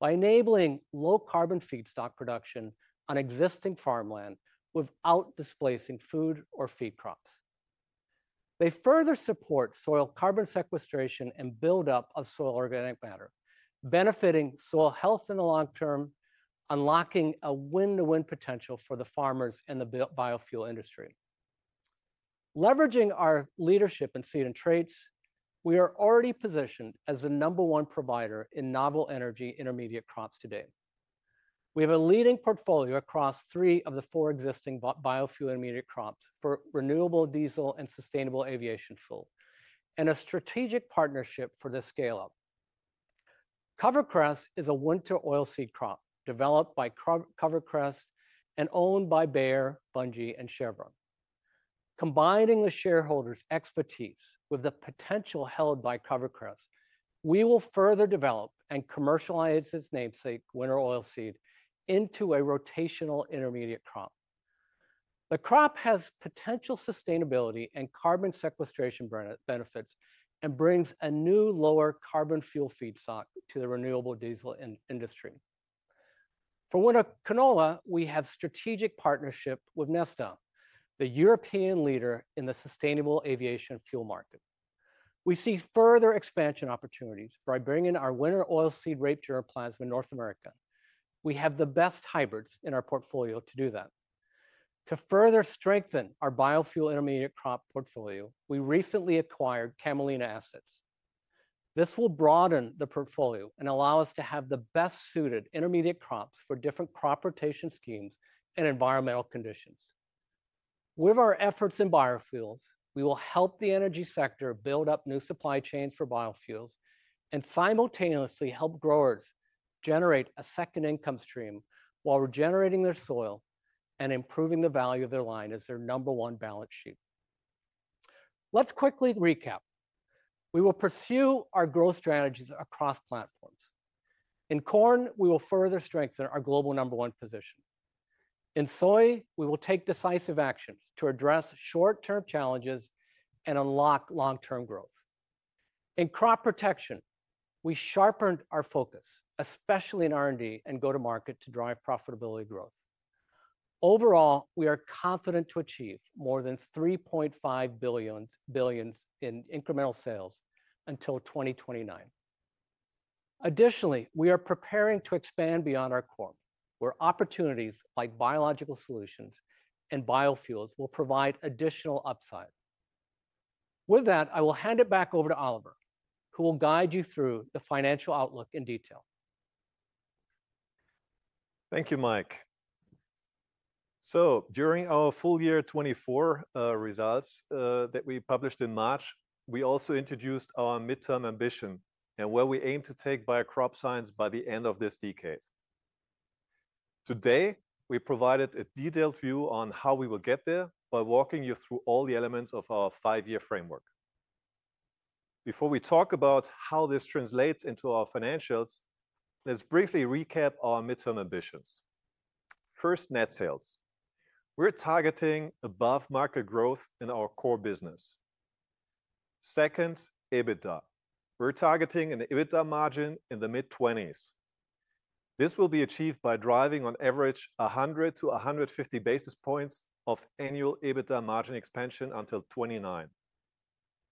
D: by enabling low-carbon feedstock production on existing farmland without displacing food or feed crops. They further support soil carbon sequestration and buildup of soil organic matter, benefiting soil health in the long term, unlocking a win-to-win potential for the farmers and the biofuel industry. Leveraging our leadership in Seed and Traits, we are already positioned as the number one provider in novel energy intermediate crops today. We have a leading portfolio across three of the four existing biofuel intermediate crops for renewable diesel and sustainable aviation fuel and a strategic partnership for this scale-up. CoverCress is a winter oilseed crop developed by CoverCress and owned by Bayer, Bunge, and Chevron. Combining the shareholders' expertise with the potential held by CoverCress, we will further develop and commercialize its namesake winter oilseed into a rotational intermediate crop. The crop has potential sustainability and carbon sequestration benefits and brings a new lower carbon fuel feedstock to the renewable diesel industry. For winter canola, we have a strategic partnership with Neste, the European leader in the sustainable aviation fuel market. We see further expansion opportunities by bringing our winter oilseed rapture and plasma to North America. We have the best hybrids in our portfolio to do that. To further strengthen our biofuel intermediate crop portfolio, we recently acquired Camelina assets. This will broaden the portfolio and allow us to have the best-suited intermediate crops for different crop rotation schemes and environmental conditions. With our efforts in biofuels, we will help the energy sector build up new supply chains for biofuels and simultaneously help growers generate a second income stream while regenerating their soil and improving the value of their land as their number one balance sheet. Let's quickly recap. We will pursue our growth strategies across platforms. In corn, we will further strengthen our global number one position. In soy, we will take decisive actions to address short-term challenges and unlock long-term growth. In Crop Protection, we sharpened our focus, especially in R&D and go-to-market to drive profitability growth. Overall, we are confident to achieve more than $3.5 billion in incremental sales until 2029. Additionally, we are preparing to expand beyond our core where opportunities like biological solutions and biofuels will provide additional upside. With that, I will hand it back over to Oliver, who will guide you through the financial outlook in detail.
C: Thank you, Mike. During our full year 2024 results that we published in March, we also introduced our midterm ambition and where we aim to take Bayer Crop Science by the end of this decade. Today, we provided a detailed view on how we will get there by walking you through all the elements of our five-year framework. Before we talk about how this translates into our financials, let's briefly recap our midterm ambitions. First, net sales. We're targeting above market growth in our core business. Second, EBITDA. We're targeting an EBITDA margin in the mid-20s. This will be achieved by driving on average 100 to 150 basis points of annual EBITDA margin expansion until 2029.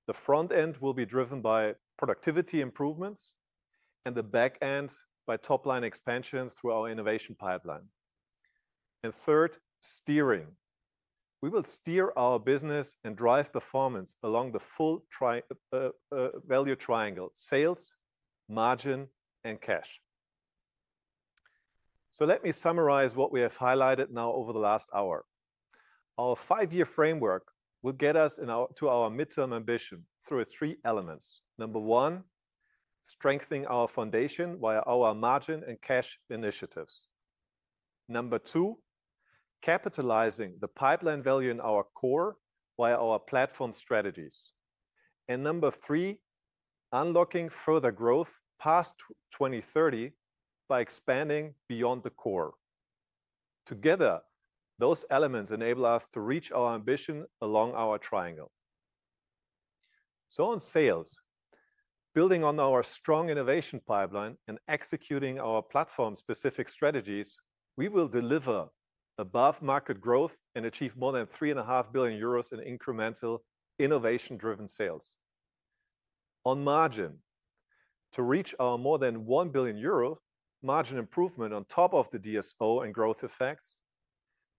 C: The front end will be driven by productivity improvements and the back end by top-line expansions through our innovation pipeline. Third, steering. We will steer our business and drive performance along the full value triangle: sales, margin, and cash. Let me summarize what we have highlighted now over the last hour. Our five-year framework will get us to our midterm ambition through three elements. Number one, strengthening our foundation via our margin and cash initiatives. Number two, capitalizing the pipeline value in our core via our platform strategies. Number three, unlocking further growth past 2030 by expanding beyond the core. Together, those elements enable us to reach our ambition along our triangle. On sales, building on our strong innovation pipeline and executing our platform-specific strategies, we will deliver above market growth and achieve more than 3.5 billion euros in incremental innovation-driven sales. On margin, to reach our more than 1 billion euro margin improvement on top of the DSO and growth effects,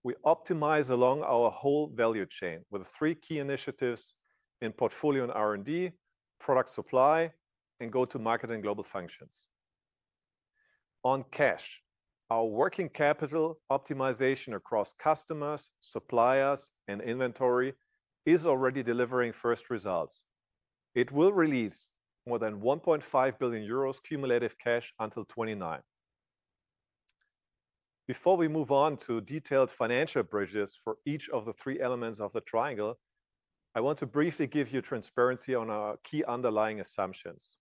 C: we optimize along our whole value chain with three key initiatives in portfolio and R&D, product supply, and go-to-market and global functions. On cash, our working capital optimization across customers, suppliers, and inventory is already delivering first results. It will release more than 1.5 billion euros cumulative cash until 2029. Before we move on to detailed financial bridges for each of the three elements of the triangle, I want to briefly give you transparency on our key underlying assumptions.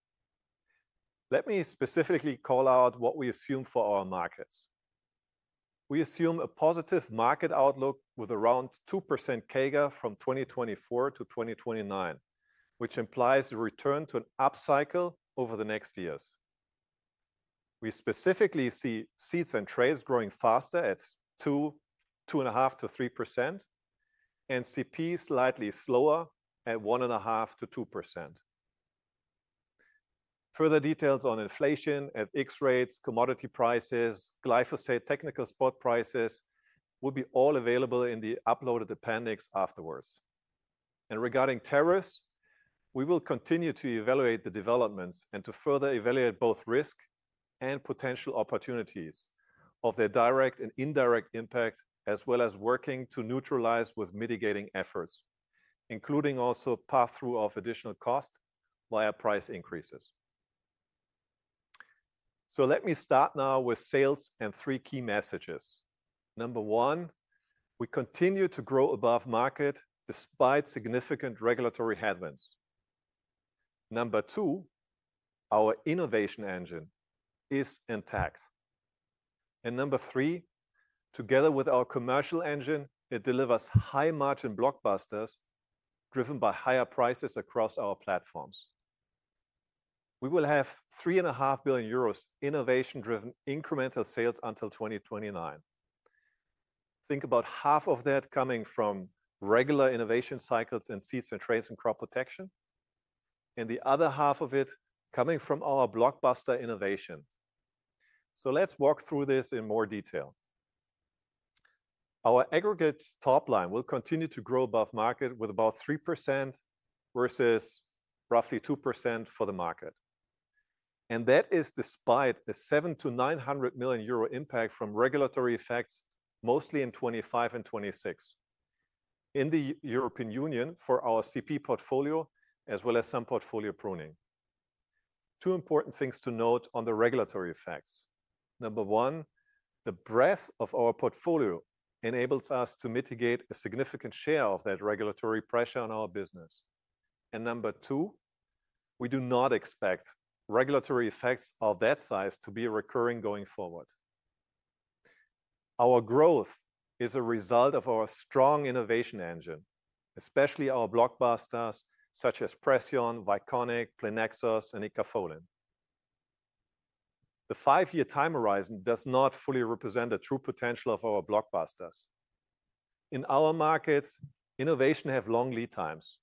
C: Let me specifically call out what we assume for our markets. We assume a positive market outlook with around 2% CAGR from 2024 to 2029, which implies a return to an upcycle over the next years. We specifically see Seeds and Traits growing faster at 2-2.5-3%, and CP slightly slower at 1.5-2%. Further details on inflation, FX rates, commodity prices, glyphosate technical spot prices will be all available in the uploaded appendix afterwards. Regarding tariffs, we will continue to evaluate the developments and to further evaluate both risk and potential opportunities of their direct and indirect impact, as well as working to neutralize with mitigating efforts, including also pass-through of additional cost via price increases. Let me start now with sales and three key messages. Number one, we continue to grow above market despite significant regulatory headwinds. Number two, our innovation engine is intact. Number three, together with our commercial engine, it delivers high-margin blockbusters driven by higher prices across our platforms. We will have 3.5 billion euros innovation-driven incremental sales until 2029. Think about half of that coming from regular innovation cycles and Seeds and Traits and Crop Protection, and the other half of it coming from our blockbuster innovation. Let's walk through this in more detail. Our aggregate top line will continue to grow above market with about 3% versus roughly 2% for the market. That is despite the 700 million-900 million euro impact from regulatory effects, mostly in 2025 and 2026 in the European Union for our CP portfolio, as well as some portfolio pruning. Two important things to note on the regulatory effects. Number one, the breadth of our portfolio enables us to mitigate a significant share of that regulatory pressure on our business. Number two, we do not expect regulatory effects of that size to be recurring going forward. Our growth is a result of our strong innovation engine, especially our blockbusters such as Preceon, Iconic, Plenexis, and Ecofolin. The five-year time horizon does not fully represent the true potential of our blockbusters. In our markets, innovation has long lead times,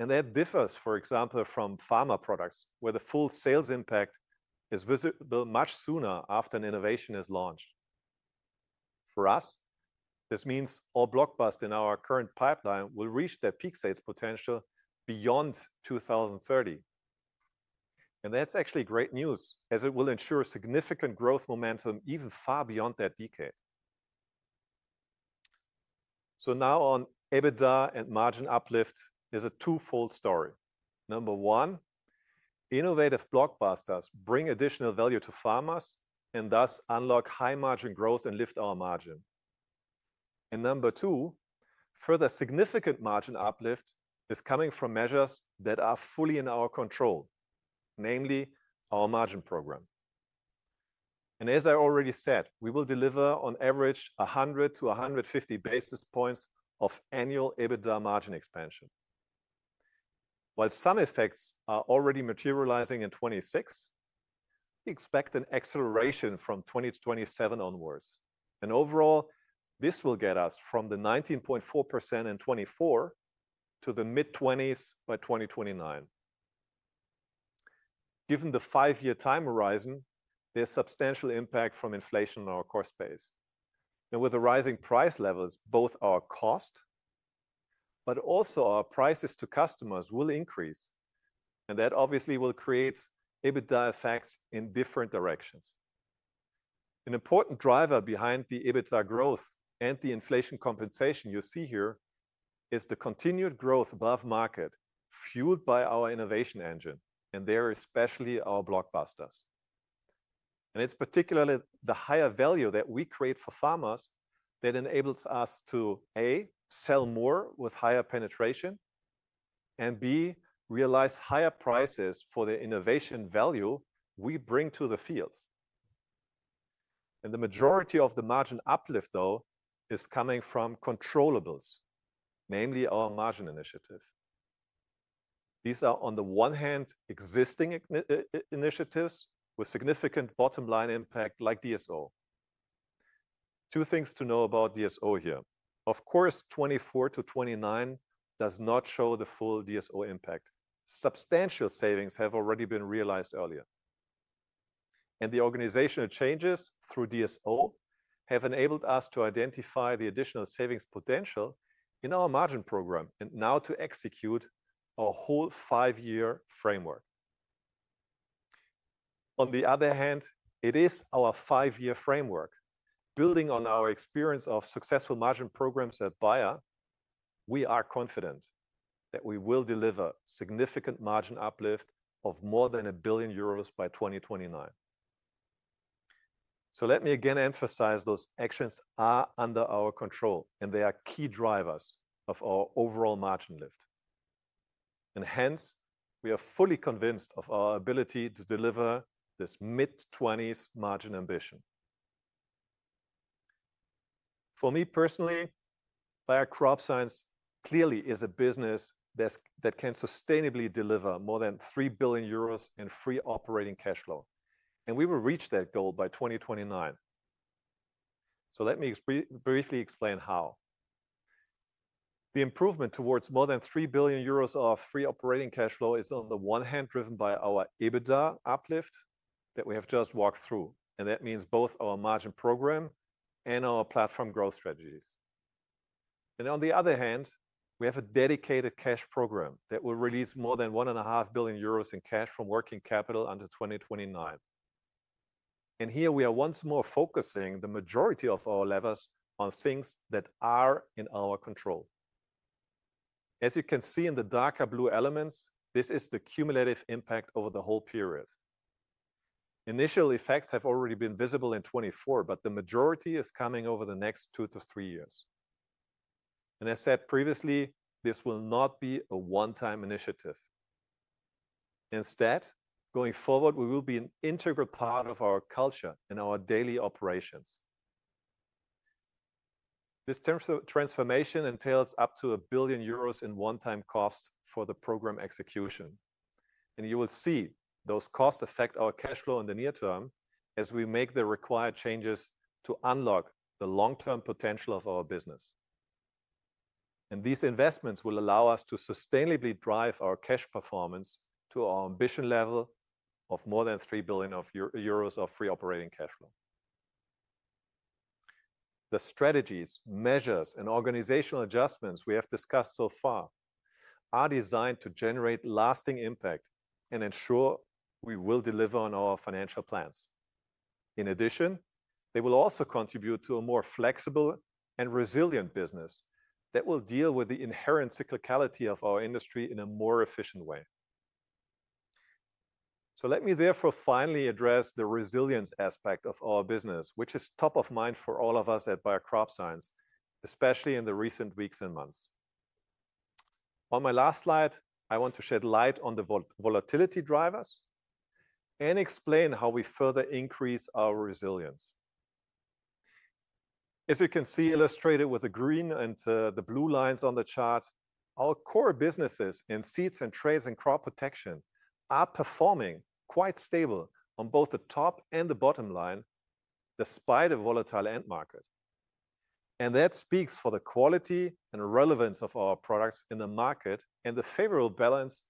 C: and that differs, for example, from pharma products where the full sales impact is visible much sooner after an innovation is launched. For us, this means all blockbusters in our current pipeline will reach their peak sales potential beyond 2030. That is actually great news as it will ensure significant growth momentum even far beyond that decade. Now on EBITDA and margin uplift, there is a twofold story. Number one, innovative blockbusters bring additional value to farmers and thus unlock high margin growth and lift our margin. Number two, further significant margin uplift is coming from measures that are fully in our control, namely our margin program. As I already said, we will deliver on average 100 to 150 basis points of annual EBITDA margin expansion. While some effects are already materializing in 2026, we expect an acceleration from 2027 onwards. Overall, this will get us from the 19.4% in 2024 to the mid-20s by 2029. Given the five-year time horizon, there is substantial impact from inflation in our core space. With the rising price levels, both our cost, but also our prices to customers, will increase. That obviously will create EBITDA effects in different directions. An important driver behind the EBITDA growth and the inflation compensation you see here is the continued growth above market fueled by our innovation engine, and there are especially our blockbusters. It is particularly the higher value that we create for farmers that enables us to, A, sell more with higher penetration, and B, realize higher prices for the innovation value we bring to the fields. The majority of the margin uplift, though, is coming from controllables, namely our margin initiative. These are, on the one hand, existing initiatives with significant bottom line impact like DSO. Two things to know about DSO here. Of course, 2024 to 2029 does not show the full DSO impact. Substantial savings have already been realized earlier. The organizational changes through DSO have enabled us to identify the additional savings potential in our margin program and now to execute a whole five-year framework. On the other hand, it is our five-year framework. Building on our experience of successful margin programs at Bayer, we are confident that we will deliver significant margin uplift of more than 1 billion euros by 2029. Let me again emphasize those actions are under our control and they are key drivers of our overall margin lift. Hence, we are fully convinced of our ability to deliver this mid-20s margin ambition. For me personally, Bayer Crop Science clearly is a business that can sustainably deliver more than 3 billion euros in free operating cash flow. We will reach that goal by 2029. Let me briefly explain how. The improvement towards more than 3 billion euros of free operating cash flow is on the one hand driven by our EBITDA uplift that we have just walked through. That means both our margin program and our platform growth strategies. On the other hand, we have a dedicated cash program that will release more than 1.5 billion euros in cash from working capital under 2029. Here we are once more focusing the majority of our levers on things that are in our control. As you can see in the darker blue elements, this is the cumulative impact over the whole period. Initial effects have already been visible in 2024, but the majority is coming over the next two to three years. As said previously, this will not be a one-time initiative. Instead, going forward, it will be an integral part of our culture and our daily operations. This transformation entails up to 1 billion euros in one-time costs for the program execution. You will see those costs affect our cash flow in the near term as we make the required changes to unlock the long-term potential of our business. These investments will allow us to sustainably drive our cash performance to our ambition level of more than 3 billion euros of free operating cash flow. The strategies, measures, and organizational adjustments we have discussed so far are designed to generate lasting impact and ensure we will deliver on our financial plans. In addition, they will also contribute to a more flexible and resilient business that will deal with the inherent cyclicality of our industry in a more efficient way. Let me therefore finally address the resilience aspect of our business, which is top of mind for all of us at Bayer Crop Science, especially in the recent weeks and months. On my last slide, I want to shed light on the volatility drivers and explain how we further increase our resilience. As you can see illustrated with the green and the blue lines on the chart, our core businesses in Seeds and Traits and Crop Protection are performing quite stable on both the top and the bottom line despite a volatile end market. That speaks for the quality and relevance of our products in the market and the favorable balance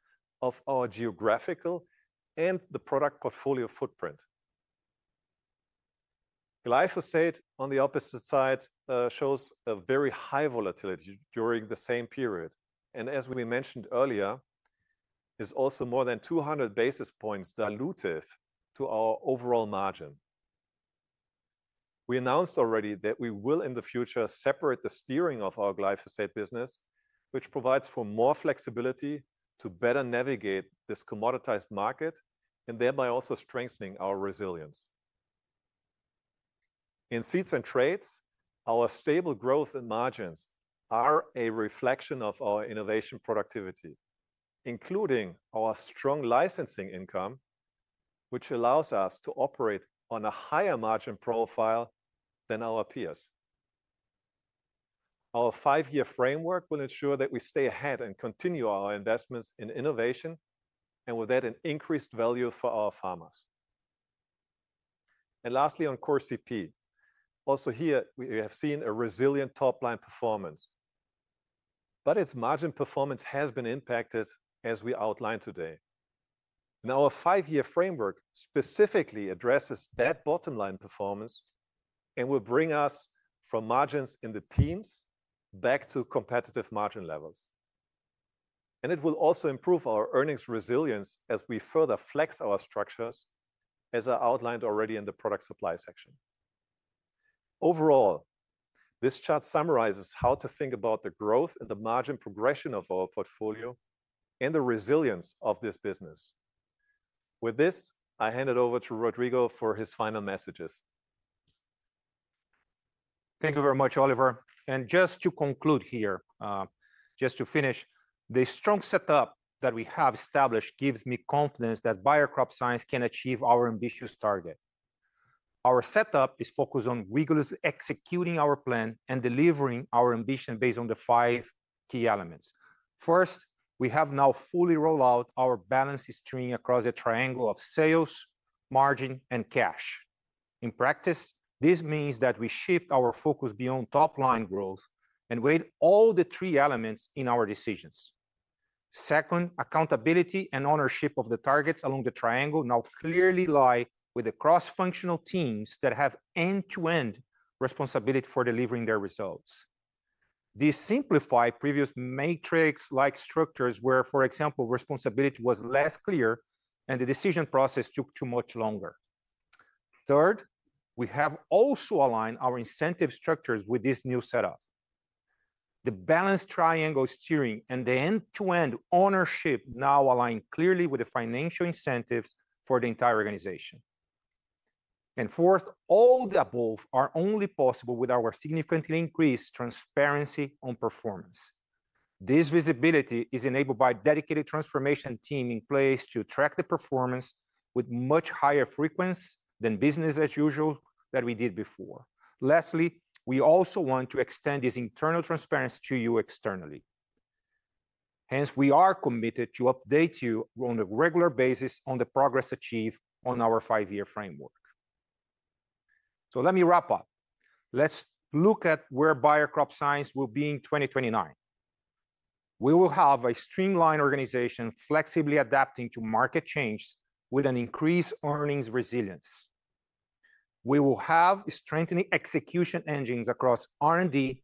C: of our geographical and the product portfolio footprint. Glyphosate, on the opposite side, shows a very high volatility during the same period. As we mentioned earlier, it is also more than 200 basis points dilutive to our overall margin. We announced already that we will in the future separate the steering of our glyphosate business, which provides for more flexibility to better navigate this commoditized market and thereby also strengthening our resilience. In Seeds and Traits, our stable growth and margins are a reflection of our innovation productivity, including our strong licensing income, which allows us to operate on a higher margin profile than our peers. Our five-year framework will ensure that we stay ahead and continue our investments in innovation and with that an increased value for our farmers. Lastly, on core CP, also here we have seen a resilient top line performance, but its margin performance has been impacted as we outlined today. Our five-year framework specifically addresses that bottom line performance and will bring us from margins in the teens back to competitive margin levels. It will also improve our earnings resilience as we further flex our structures, as I outlined already in the product supply section. Overall, this chart summarizes how to think about the growth and the margin progression of our portfolio and the resilience of this business. With this, I hand it over to Rodrigo for his final messages.
B: Thank you very much, Oliver. Just to conclude here, just to finish, the strong setup that we have established gives me confidence that Bayer Crop Science can achieve our ambitious target. Our setup is focused on rigorously executing our plan and delivering our ambition based on the five key elements. First, we have now fully rolled out our balance stream across a triangle of sales, margin, and cash. In practice, this means that we shift our focus beyond top line growth and weigh all the three elements in our decisions. Second, accountability and ownership of the targets along the triangle now clearly lie with the cross-functional teams that have end-to-end responsibility for delivering their results. These simplify previous matrix-like structures where, for example, responsibility was less clear and the decision process took too much longer. Third, we have also aligned our incentive structures with this new setup. The balance triangle steering and the end-to-end ownership now align clearly with the financial incentives for the entire organization. Fourth, all the above are only possible with our significantly increased transparency on performance. This visibility is enabled by a dedicated transformation team in place to track the performance with much higher frequency than business as usual that we did before. Lastly, we also want to extend this internal transparency to you externally. Hence, we are committed to update you on a regular basis on the progress achieved on our five-year framework. Let me wrap up. Let's look at where Bayer Crop Science will be in 2029. We will have a streamlined organization flexibly adapting to market changes with an increased earnings resilience. We will have strengthening execution engines across R&D,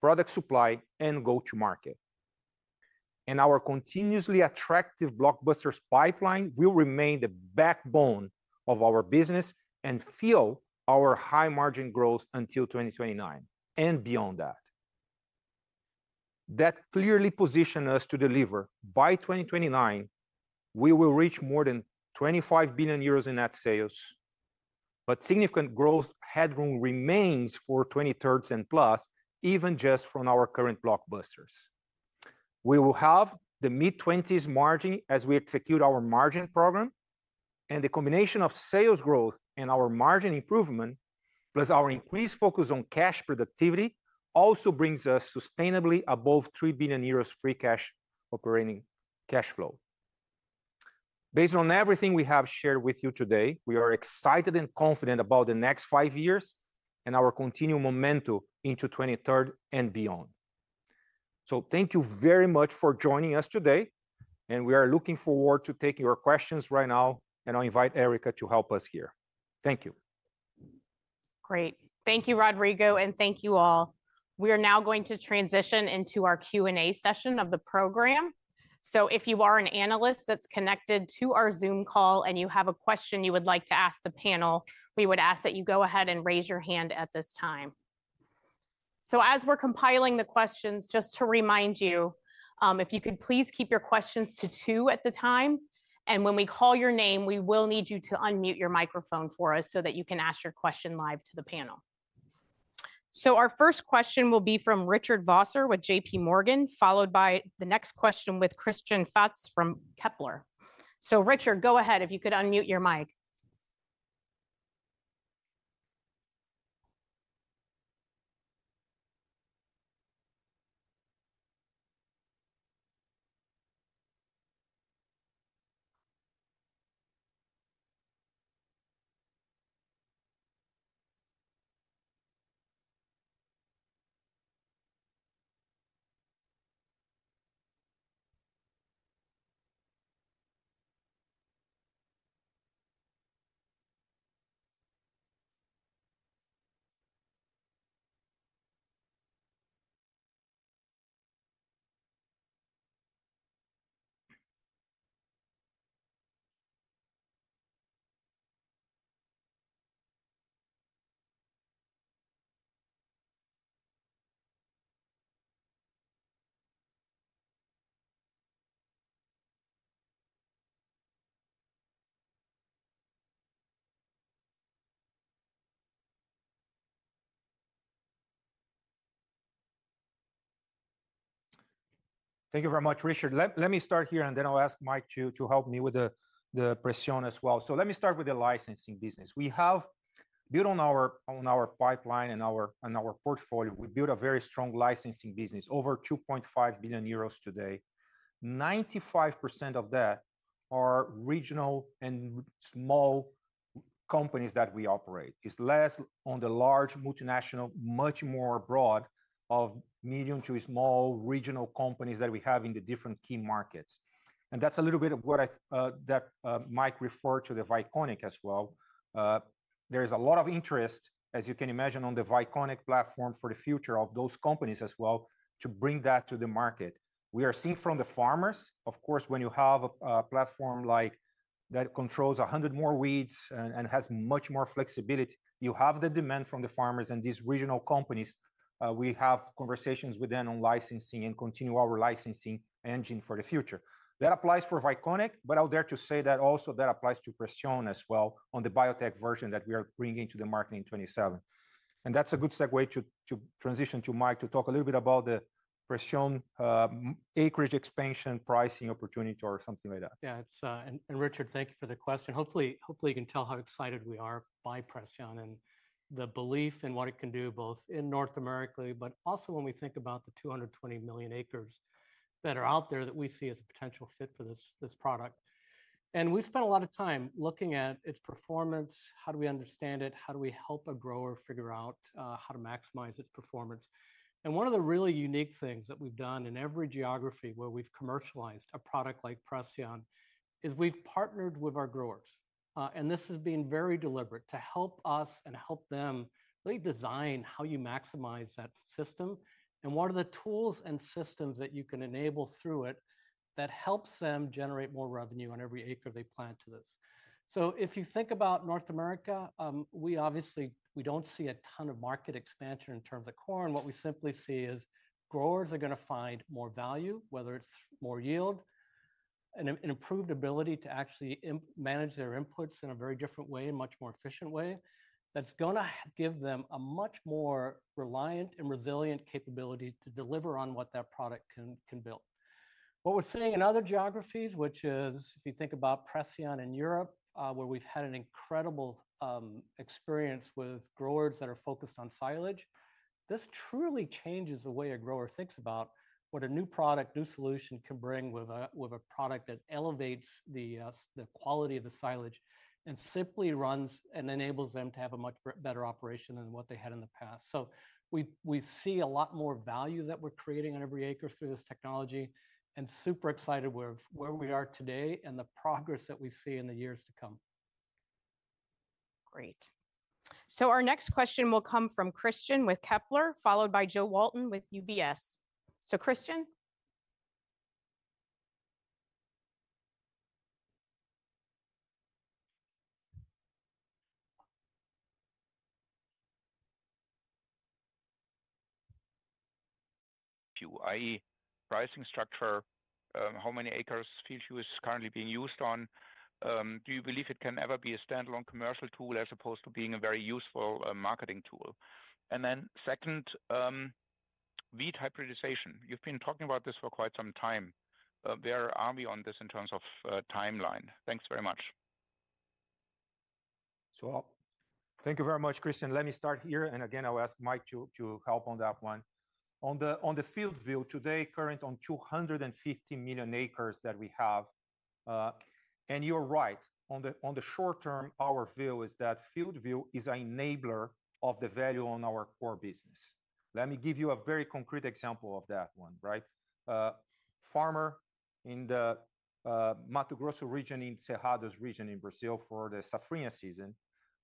B: product supply, and go-to-market. Our continuously attractive blockbusters pipeline will remain the backbone of our business and fuel our high margin growth until 2029 and beyond that. That clearly positions us to deliver by 2029. We will reach more than 25 billion euros in net sales, but significant growth headroom remains for the 2030s and plus, even just from our current blockbusters. We will have the mid-20s margin as we execute our margin program, and the combination of sales growth and our margin improvement, plus our increased focus on cash productivity, also brings us sustainably above 3 billion euros free cash operating cash flow. Based on everything we have shared with you today, we are excited and confident about the next five years and our continued momentum into 2030 and beyond. Thank you very much for joining us today, and we are looking forward to taking your questions right now, and I'll invite Erica to help us here. Thank you.
A: Great. Thank you, Rodrigo, and thank you all. We are now going to transition into our Q&A session of the program. If you are an analyst that's connected to our Zoom call and you have a question you would like to ask the panel, we would ask that you go ahead and raise your hand at this time. As we're compiling the questions, just to remind you, if you could please keep your questions to two at the time. When we call your name, we will need you to unmute your microphone for us so that you can ask your question live to the panel. Our first question will be from Richard Vosser with JPMorgan, followed by the next question with Christian Faitz from Kepler Cheuvreux. Richard, go ahead if you could unmute your mic.
E: Thank you very much, Richard. Let me start here, and then I'll ask Mike to help me with the question as well. Let me start with the licensing business. We have built on our pipeline and our portfolio. We built a very strong licensing business, over 2.5 billion euros today. 95% of that are regional and small companies that we operate. It's less on the large multinational, much more broad of medium to small regional companies that we have in the different key markets. That is a little bit of what Mike referred to with Viconic as well. There is a lot of interest, as you can imagine, in the Viconic platform for the future of those companies as well to bring that to the market. We are seeing from the farmers, of course, when you have a platform like that which controls 100 more weeds and has much more flexibility, you have the demand from the farmers and these regional companies. We have conversations with them on licensing and continue our licensing engine for the future. That applies for Viconic, but I will dare to say that also applies to Preceon as well on the biotech version that we are bringing to the market in 2027. That is a good segue to transition to Mike to talk a little bit about the Preceon acreage expansion pricing opportunity or something like that.
D: Yeah, and Richard, thank you for the question. Hopefully, you can tell how excited we are by Preceon and the belief in what it can do both in North America, but also when we think about the 220 million acres that are out there that we see as a potential fit for this product. We spent a lot of time looking at its performance. How do we understand it? How do we help a grower figure out how to maximize its performance? One of the really unique things that we have done in every geography where we have commercialized a product like Preceon is we have partnered with our growers. This has been very deliberate to help us and help them really design how you maximize that system and what are the tools and systems that you can enable through it that helps them generate more revenue on every acre they plant to this. If you think about North America, we obviously do not see a ton of market expansion in terms of corn. What we simply see is growers are going to find more value, whether it is more yield and an improved ability to actually manage their inputs in a very different way, a much more efficient way that is going to give them a much more reliant and resilient capability to deliver on what that product can build. What we're seeing in other geographies, which is if you think about Preceon in Europe, where we've had an incredible experience with growers that are focused on silage, this truly changes the way a grower thinks about what a new product, new solution can bring with a product that elevates the quality of the silage and simply runs and enables them to have a much better operation than what they had in the past. We see a lot more value that we're creating on every acre through this technology and super excited where we are today and the progress that we see in the years to come. Great. Our next question will come from Christian with Kepler Cheuvreux, followed by Jo Walton with UBS. So Christian.
F: IE pricing structure, how many acres feed was currently being used on? Do you believe it can ever be a standalone commercial tool as opposed to being a very useful marketing tool? And then second, wheat hybridization. You've been talking about this for quite some time. Where are we on this in terms of timeline? Thanks very much.
B: Thank you very much, Christian. Let me start here. Again, I'll ask Mike to help on that one. On the FieldView today, current on 250 million acres that we have. You're right. In the short term, our view is that FieldView is an enabler of the value on our core business. Let me give you a very concrete example of that one. Farmer in the Mato Grosso region in Cerrado region in Brazil for the Safrina season.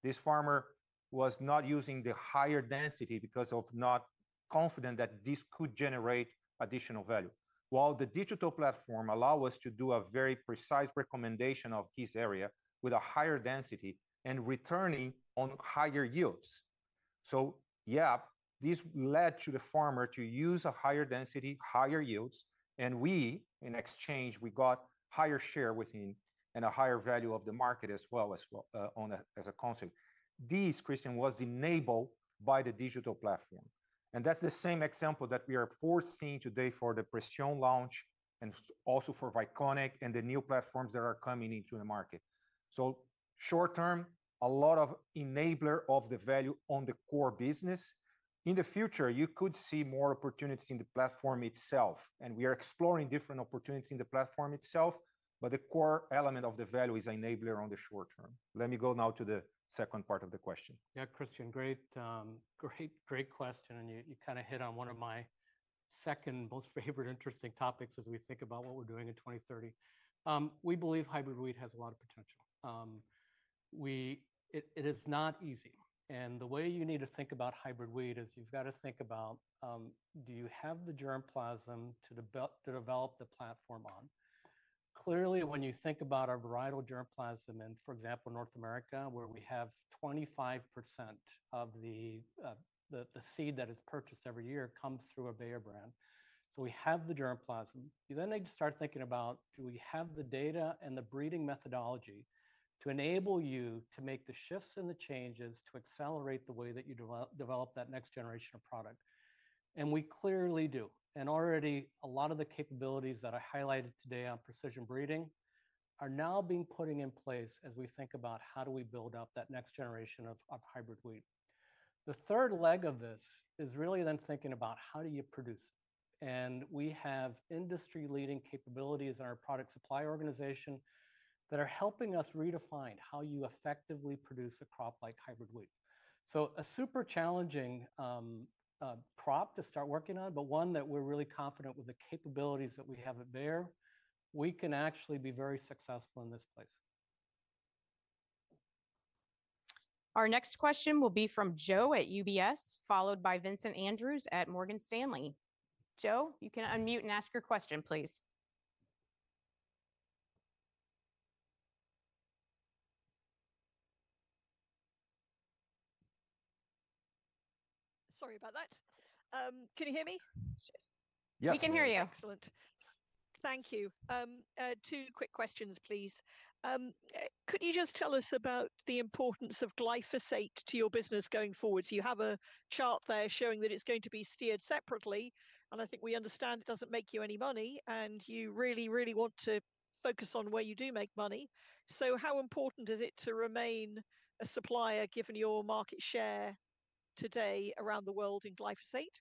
B: This farmer was not using the higher density because of not confident that this could generate additional value. While the digital platform allows us to do a very precise recommendation of his area with a higher density and returning on higher yields. Yeah, this led to the farmer to use a higher density, higher yields, and we in exchange, we got higher share within and a higher value of the market as well as a concept. This, Christian, was enabled by the digital platform. That is the same example that we are foreseeing today for the Preceon launch and also for Iconic and the new platforms that are coming into the market. Short term, a lot of enabler of the value on the core business. In the future, you could see more opportunities in the platform itself. We are exploring different opportunities in the platform itself, but the core element of the value is an enabler on the short term. Let me go now to the second part of the question.
D: Yeah, Christian, great, great question. You kind of hit on one of my second most favorite interesting topics as we think about what we're doing in 2030. We believe Hybrid Wheat has a lot of potential. It is not easy. The way you need to think about Hybrid Wheat is you've got to think about, do you have the germplasm to develop the platform on? Clearly, when you think about our varietal germplasm in, for example, North America, where we have 25% of the seed that is purchased every year comes through a Bayer brand. We have the germplasm. You then need to start thinking about, do we have the data and the breeding methodology to enable you to make the shifts and the changes to accelerate the way that you develop that next generation of product? We clearly do. Already a lot of the capabilities that I highlighted today on precision breeding are now being put in place as we think about how do we build up that next generation of Hybrid Wheat. The third leg of this is really then thinking about how do you produce it. We have industry-leading capabilities in our product supply organization that are helping us redefine how you effectively produce a crop like Hybrid Wheat. A super challenging crop to start working on, but one that we're really confident with the capabilities that we have at Bayer, we can actually be very successful in this place.
A: Our next question will be from Jo at UBS, followed by Vincent Andrews at Morgan Stanley. Jo, you can unmute and ask your question, please.
G: Sorry about that. Can you hear me? Yes. We can hear you. Excellent. Thank you. Two quick questions, please. Could you just tell us about the importance of glyphosate to your business going forward? You have a chart there showing that it's going to be steered separately. I think we understand it doesn't make you any money, and you really, really want to focus on where you do make money. How important is it to remain a supplier given your market share today around the world in glyphosate?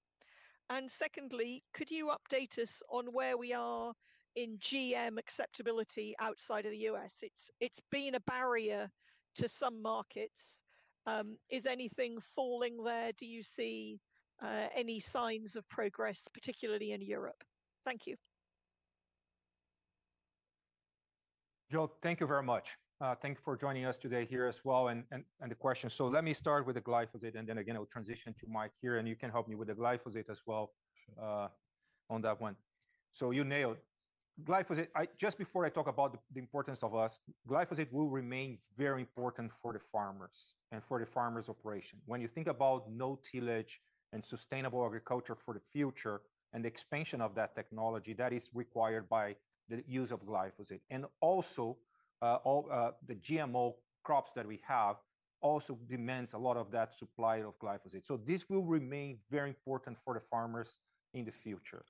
G: Secondly, could you update us on where we are in GM acceptability outside of the U.S.? It's been a barrier to some markets. Is anything falling there? Do you see any signs of progress, particularly in Europe? Thank you.
B: Jo, thank you very much. Thank you for joining us today here as well and the question. Let me start with the glyphosate, and then again, I'll transition to Mike here, and you can help me with the glyphosate as well on that one. You nailed glyphosate. Just before I talk about the importance of us, glyphosate will remain very important for the farmers and for the farmers' operation. When you think about no tillage and sustainable agriculture for the future and the expansion of that technology that is required by the use of glyphosate, and also the GMO crops that we have also demands a lot of that supply of glyphosate. This will remain very important for the farmers in the future.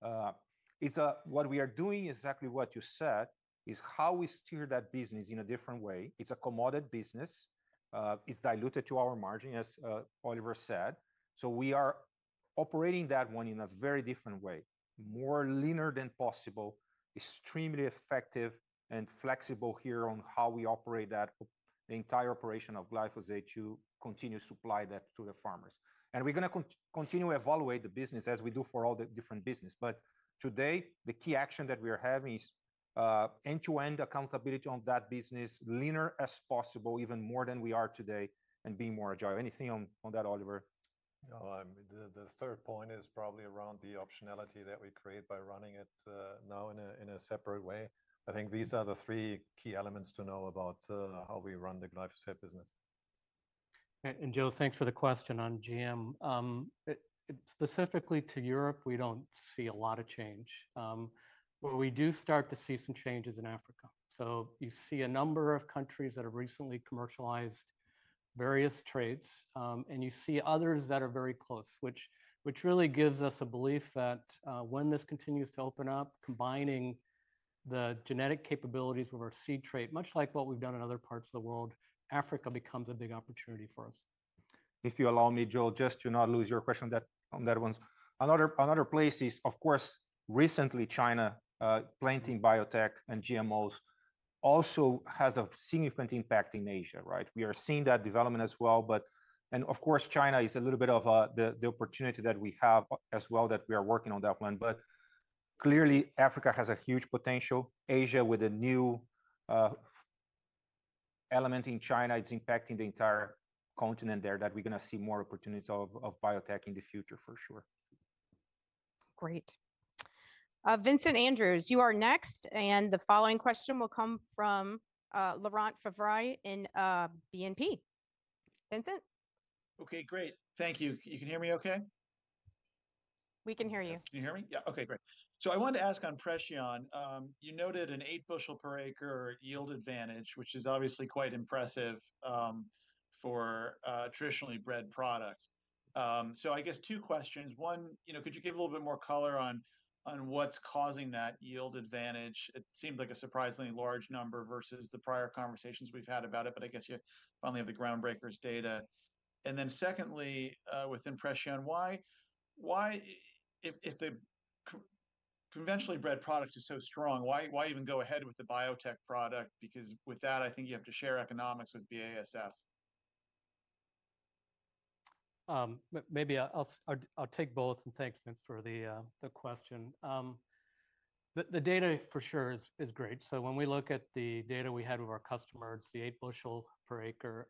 B: What we are doing is exactly what you said, is how we steer that business in a different way. It is a commodity business. It is diluted to our margin, as Oliver said. We are operating that one in a very different way, more linear than possible, extremely effective and flexible here on how we operate that entire operation of glyphosate to continue to supply that to the farmers. We are going to continue to evaluate the business as we do for all the different businesses. Today, the key action that we are having is end-to-end accountability on that business, linear as possible, even more than we are today, and being more agile. Anything on that, Oliver?
C: The third point is probably around the optionality that we create by running it now in a separate way. I think these are the three key elements to know about how we run the glyphosate business.
D: Jo, thanks for the question on GM. Specifically to Europe, we do not see a lot of change. We do start to see some changes in Africa. You see a number of countries that have recently commercialized various traits, and you see others that are very close, which really gives us a belief that when this continues to open up, combining the genetic capabilities with our seed trait, much like what we have done in other parts of the world, Africa becomes a big opportunity for us.
B: If you allow me, Jo, just to not lose your question on that one.
D: Another place is, of course, recently China planting biotech and GMOs also has a significant impact in Asia, right? We are seeing that development as well. Of course, China is a little bit of the opportunity that we have as well that we are working on that one. Clearly, Africa has a huge potential. Asia with a new element in China, it is impacting the entire continent there that we are going to see more opportunities of biotech in the future for sure.
A: Great. Vincent Andrews, you are next. The following question will come from Laurent Favre in BNP. Vincent.
H: Okay, great. Thank you. You can hear me okay?
A: We can hear you.
H: Can you hear me? Yeah. Okay, great. I wanted to ask on Preceon. You noted an eight bushel per acre yield advantage, which is obviously quite impressive for a traditionally bred product. I guess two questions. One, could you give a little bit more color on what is causing that yield advantage? It seemed like a surprisingly large number versus the prior conversations we've had about it, but I guess you finally have the groundbreakers data. Secondly, within Preceon, why if the conventionally bred product is so strong, why even go ahead with the biotech product? Because with that, I think you have to share economics with BASF.
D: Maybe I'll take both and thank you for the question. The data for sure is great. When we look at the data we had with our customers, the eight bushel per acre,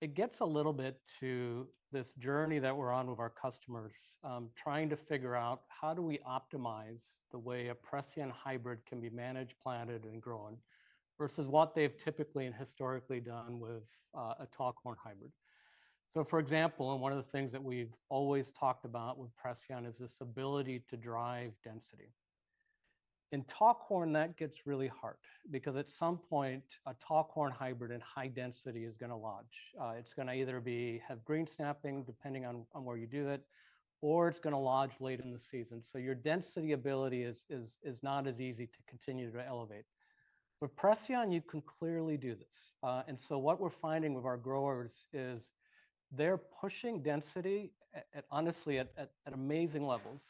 D: it gets a little bit to this journey that we're on with our customers trying to figure out how do we optimize the way a Preceon hybrid can be managed, planted, and grown versus what they've typically and historically done with a tall corn hybrid. For example, one of the things that we've always talked about with Preceon is this ability to drive density. In tall corn, that gets really hard because at some point, a tall corn hybrid in high density is going to lodge. It's going to either have green snapping, depending on where you do it, or it's going to lodge late in the season. Your density ability is not as easy to continue to elevate. With Preceon, you can clearly do this. What we're finding with our growers is they're pushing density at honestly at amazing levels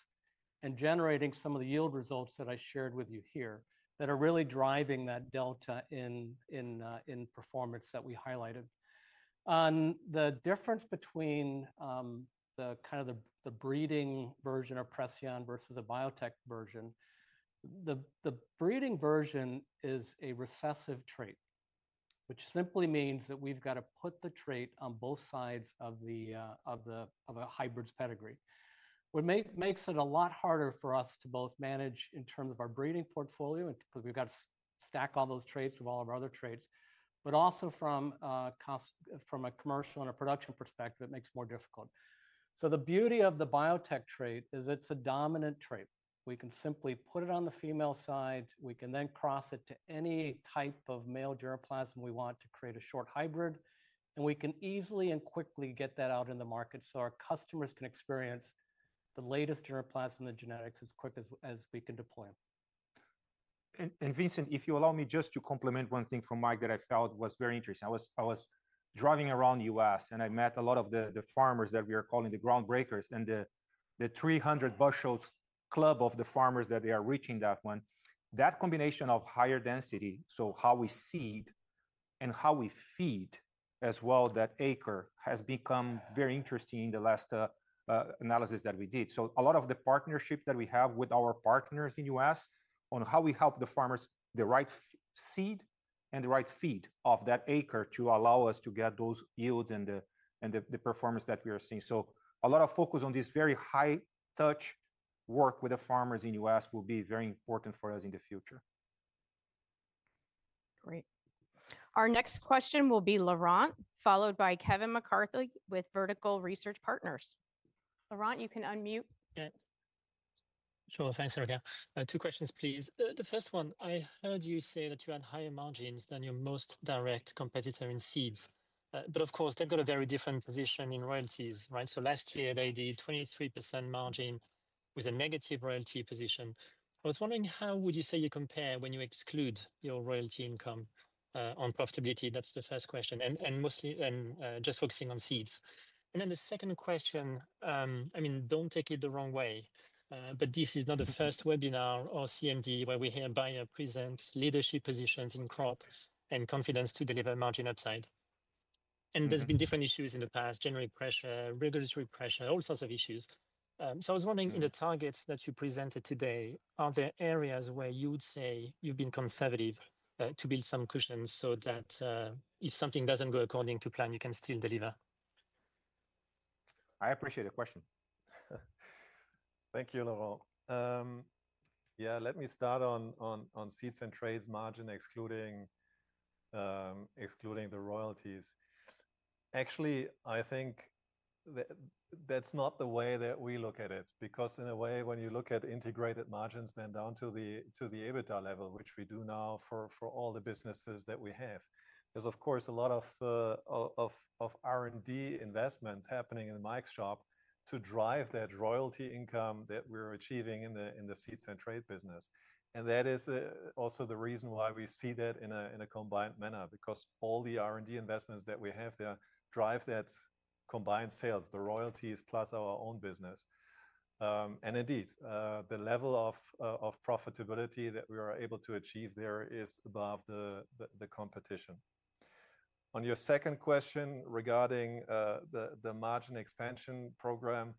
D: and generating some of the yield results that I shared with you here that are really driving that delta in performance that we highlighted. The difference between the kind of the breeding version of Preceon versus a biotech version, the breeding version is a recessive trait, which simply means that we've got to put the trait on both sides of a hybrid's pedigree, which makes it a lot harder for us to both manage in terms of our breeding portfolio because we've got to stack all those traits with all of our other traits, but also from a commercial and a production perspective, it makes it more difficult. The beauty of the biotech trait is it's a dominant trait. We can simply put it on the female side. We can then cross it to any type of male germplasm we want to create a short hybrid. We can easily and quickly get that out in the market so our customers can experience the latest germplasm and the genetics as quick as we can deploy them.
B: Vincent, if you allow me just to complement one thing from Mike that I felt was very interesting. I was driving around the U.S. and I met a lot of the farmers that we are calling the groundbreakers and the 300 bushels club of the farmers that they are reaching that one. That combination of higher density, so how we seed and how we feed as well that acre has become very interesting in the last analysis that we did. A lot of the partnership that we have with our partners in the U.S. on how we help the farmers the right seed and the right feed of that acre to allow us to get those yields and the performance that we are seeing. A lot of focus on this very high-touch work with the farmers in the U.S. will be very important for us in the future.
A: Great. Our next question will be Laurent, followed by Kevin McCarthy with Vertical Research Partners. Laurent, you can unmute.
I: Jo, thanks for coming. Two questions, please. The first one, I heard you say that you had higher margins than your most direct competitor in seeds. Of course, they've got a very different position in royalties, right? Last year, they did 23% margin with a negative royalty position. I was wondering, how would you say you compare when you exclude your royalty income on profitability? That is the first question. Mostly then just focusing on seeds. The second question, I mean, do not take it the wrong way, but this is not the first webinar or CMD where we hear Bayer present leadership positions in crop and confidence to deliver margin upside. There have been different issues in the past, generally pressure, regulatory pressure, all sorts of issues. I was wondering in the targets that you presented today, are there areas where you would say you have been conservative to build some cushions so that if something does not go according to plan, you can still deliver?
B: I appreciate the question. Thank you, Laurent. Let me start on Seeds and Traits margin excluding the royalties. Actually, I think that's not the way that we look at it because in a way, when you look at integrated margins then down to the EBITDA level, which we do now for all the businesses that we have, there's of course a lot of R&D investment happening in Mike's shop to drive that royalty income that we're achieving in the seeds and trait business. That is also the reason why we see that in a combined manner because all the R&D investments that we have there drive that combined sales, the royalties plus our own business. Indeed, the level of profitability that we are able to achieve there is above the competition. On your second question regarding the margin expansion program,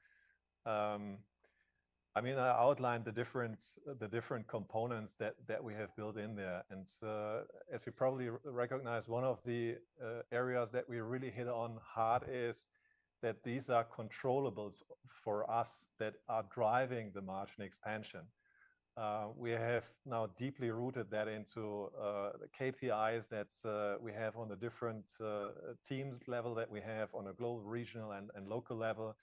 B: I mean, I outlined the different components that we have built in there. As you probably recognize, one of the areas that we really hit on hard is that these are controllable for us that are driving the margin expansion. We have now deeply rooted that into the KPIs that we have on the different teams level that we have on a global, regional, and local level.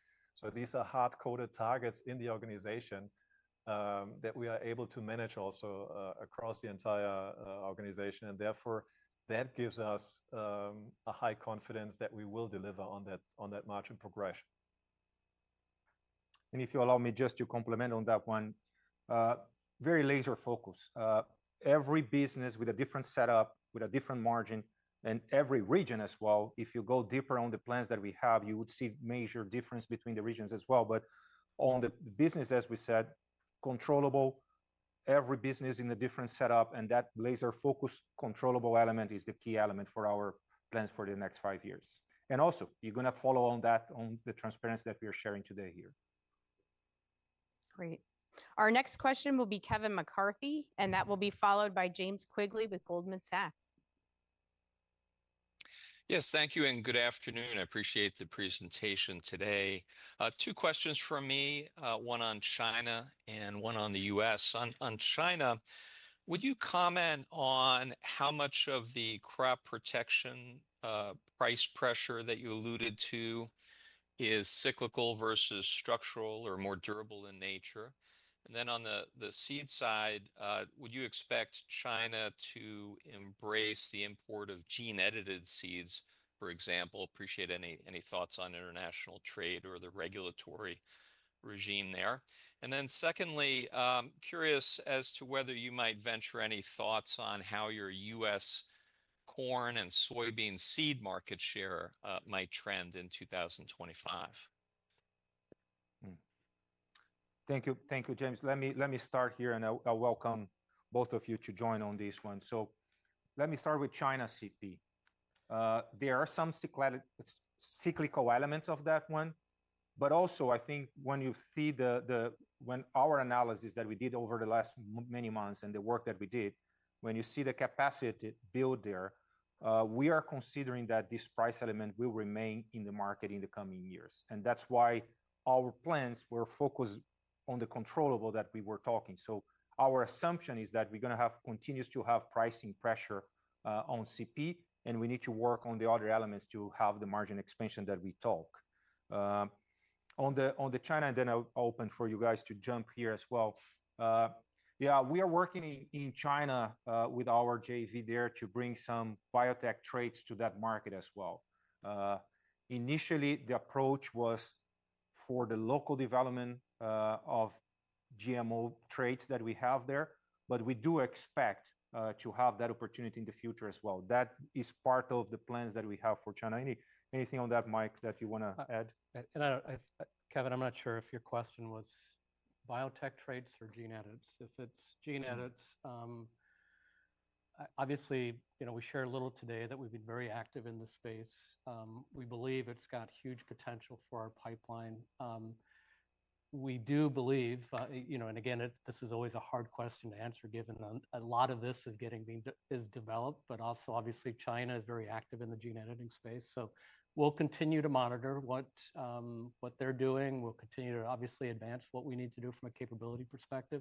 B: These are hard-coded targets in the organization that we are able to manage also across the entire organization. That gives us a high confidence that we will deliver on that margin progression.
D: If you allow me just to complement on that one, very laser focus. Every business with a different setup, with a different margin, and every region as well, if you go deeper on the plans that we have, you would see major difference between the regions as well. On the business, as we said, controllable, every business in a different setup. That laser focus controllable element is the key element for our plans for the next five years. Also, you're going to follow on that on the transparency that we are sharing today here.
A: Great. Our next question will be Kevin McCarthy, and that will be followed by James Quigley with Goldman Sachs.
J: Yes, thank you and good afternoon. I appreciate the presentation today. Two questions for me, one on China and one on the U.S. On China, would you comment on how much of the Crop Protection price pressure that you alluded to is cyclical versus structural or more durable in nature? Then on the seed side, would you expect China to embrace the import of gene-edited seeds, for example? Appreciate any thoughts on international trade or the regulatory regime there. Then secondly, curious as to whether you might venture any thoughts on how your US corn and soybean seed market share might trend in 2025.
B: Thank you. Thank you, James. Let me start here and I'll welcome both of you to join on this one. Let me start with China CP. There are some cyclical elements of that one. Also, I think when you see the, when our analysis that we did over the last many months and the work that we did, when you see the capacity build there, we are considering that this price element will remain in the market in the coming years. That is why our plans were focused on the controllable that we were talking. Our assumption is that we're going to continue to have pricing pressure on CP, and we need to work on the other elements to have the margin expansion that we talk. On China, and then I'll open for you guys to jump here as well. Yeah, we are working in China with our JV there to bring some biotech traits to that market as well. Initially, the approach was for the local development of GMO traits that we have there, but we do expect to have that opportunity in the future as well. That is part of the plans that we have for China. Anything on that, Mike, that you want to add?
D: Kevin, I'm not sure if your question was biotech traits or gene edits. If it's gene edits, obviously, we shared a little today that we've been very active in the space. We believe it's got huge potential for our pipeline. We do believe, and again, this is always a hard question to answer given a lot of this is developed, but also obviously China is very active in the gene editing space. We will continue to monitor what they're doing. We will continue to obviously advance what we need to do from a capability perspective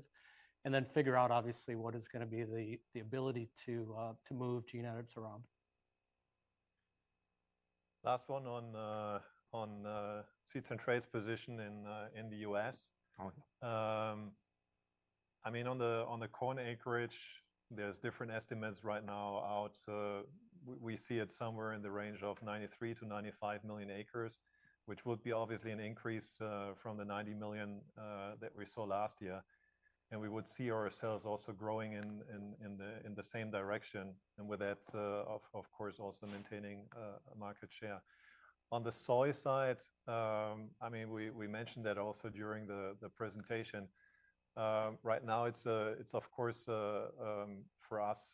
D: and then figure out obviously what is going to be the ability to move gene edits around.
J: Last one on Seeds and Traits position in the U.S.I mean, on the corn acreage, there are different estimates right now out. We see it somewhere in the range of 93-95 million acres, which would be obviously an increase from the 90 million that we saw last year. We would see ourselves also growing in the same direction and with that, of course, also maintaining market share. On the soy side, I mean, we mentioned that also during the presentation. Right now, it is of course for us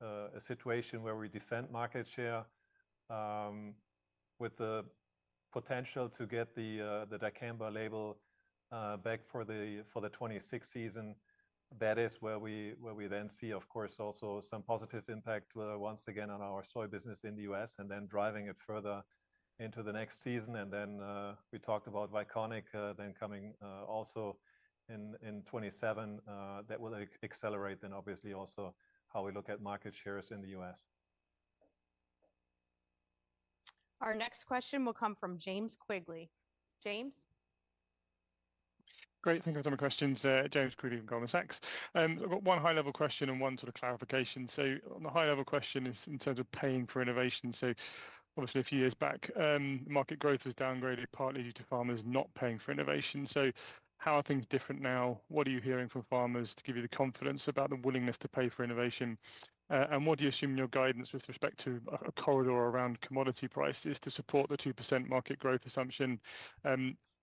J: a situation where we defend market share with the potential to get the dicamba label back for the 2026 season. That is where we then see, of course, also some positive impact once again on our soy business in the U.S. and then driving it further into the next season. We talked about Viconic then coming also in 2027 that will accelerate then obviously also how we look at market shares in the U.S. Our next question will come from James Quigley. James.
K: Great. Thank you for the questions. James Quigley from Goldman Sachs. I have got one high-level question and one sort of clarification. The high-level question is in terms of paying for innovation. Obviously a few years back, market growth was downgraded partly due to farmers not paying for innovation. How are things different now? What are you hearing from farmers to give you the confidence about the willingness to pay for innovation? What do you assume in your guidance with respect to a corridor around commodity prices to support the 2% market growth assumption?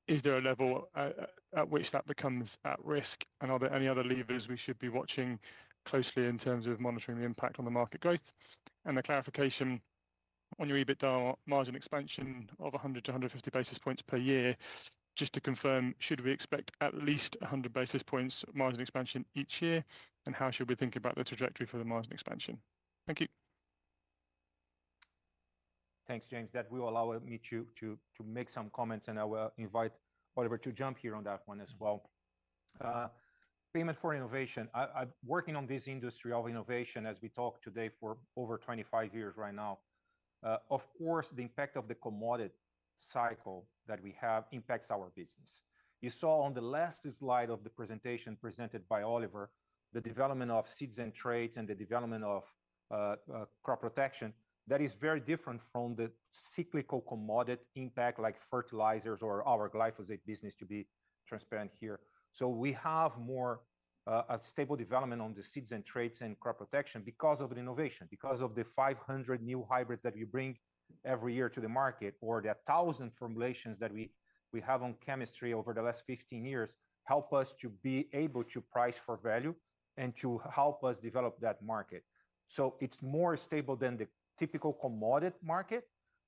K: Is there a level at which that becomes at risk? Are there any other levers we should be watching closely in terms of monitoring the impact on the market growth? A clarification on your EBITDA margin expansion of 100 to 150 basis points per year, just to confirm, should we expect at least 100 basis points margin expansion each year? How should we think about the trajectory for the margin expansion? Thank you.
B: Thanks, James. That will allow me to make some comments and I will invite Oliver to jump here on that one as well. Payment for innovation. Working on this industry of innovation as we talk today for over 25 years right now, of course, the impact of the commodity cycle that we have impacts our business. You saw on the last slide of the presentation presented by Oliver, the development of Seeds and Traits and the development of Crop Protection. That is very different from the cyclical commodity impact like fertilizers or our glyphosate business to be transparent here. We have more of stable development on the Seeds and Traits and Crop Protection because of innovation, because of the 500 new hybrids that we bring every year to the market or the 1,000 formulations that we have on chemistry over the last 15 years help us to be able to price for value and to help us develop that market. It is more stable than the typical commodity market,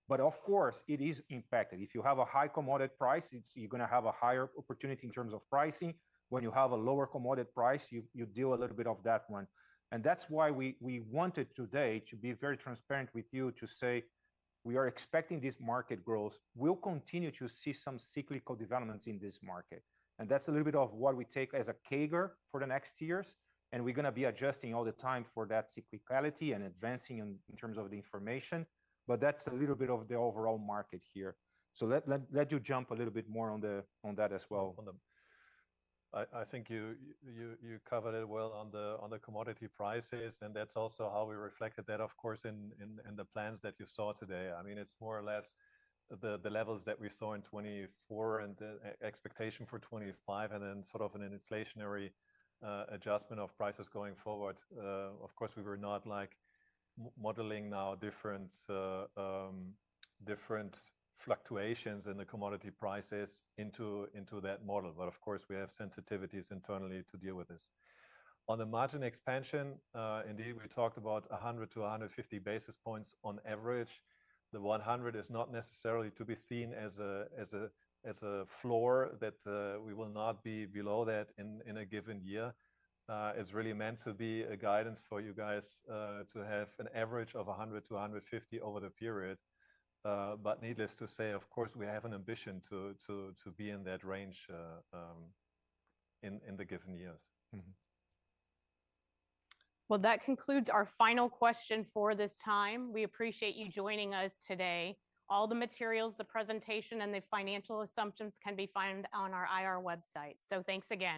B: but of course, it is impacted. If you have a high commodity price, you're going to have a higher opportunity in terms of pricing. When you have a lower commodity price, you deal a little bit of that one. That is why we wanted today to be very transparent with you to say we are expecting this market growth. We'll continue to see some cyclical developments in this market. That's a little bit of what we take as a cagar for the next years. We're going to be adjusting all the time for that cyclicality and advancing in terms of the information. That's a little bit of the overall market here. Let you jump a little bit more on that as well.
C: I think you covered it well on the commodity prices, and that's also how we reflected that, of course, in the plans that you saw today. I mean, it's more or less the levels that we saw in 2024 and the expectation for 2025 and then sort of an inflationary adjustment of prices going forward. Of course, we were not modeling now different fluctuations in the commodity prices into that model. Of course, we have sensitivities internally to deal with this. On the margin expansion, indeed, we talked about 100 to 150 basis points on average. The 100 is not necessarily to be seen as a floor that we will not be below that in a given year. It is really meant to be a guidance for you guys to have an average of 100-150 over the period. Needless to say, of course, we have an ambition to be in that range in the given years.
A: That concludes our final question for this time. We appreciate you joining us today. All the materials, the presentation, and the financial assumptions can be found on our IR website. Thanks again.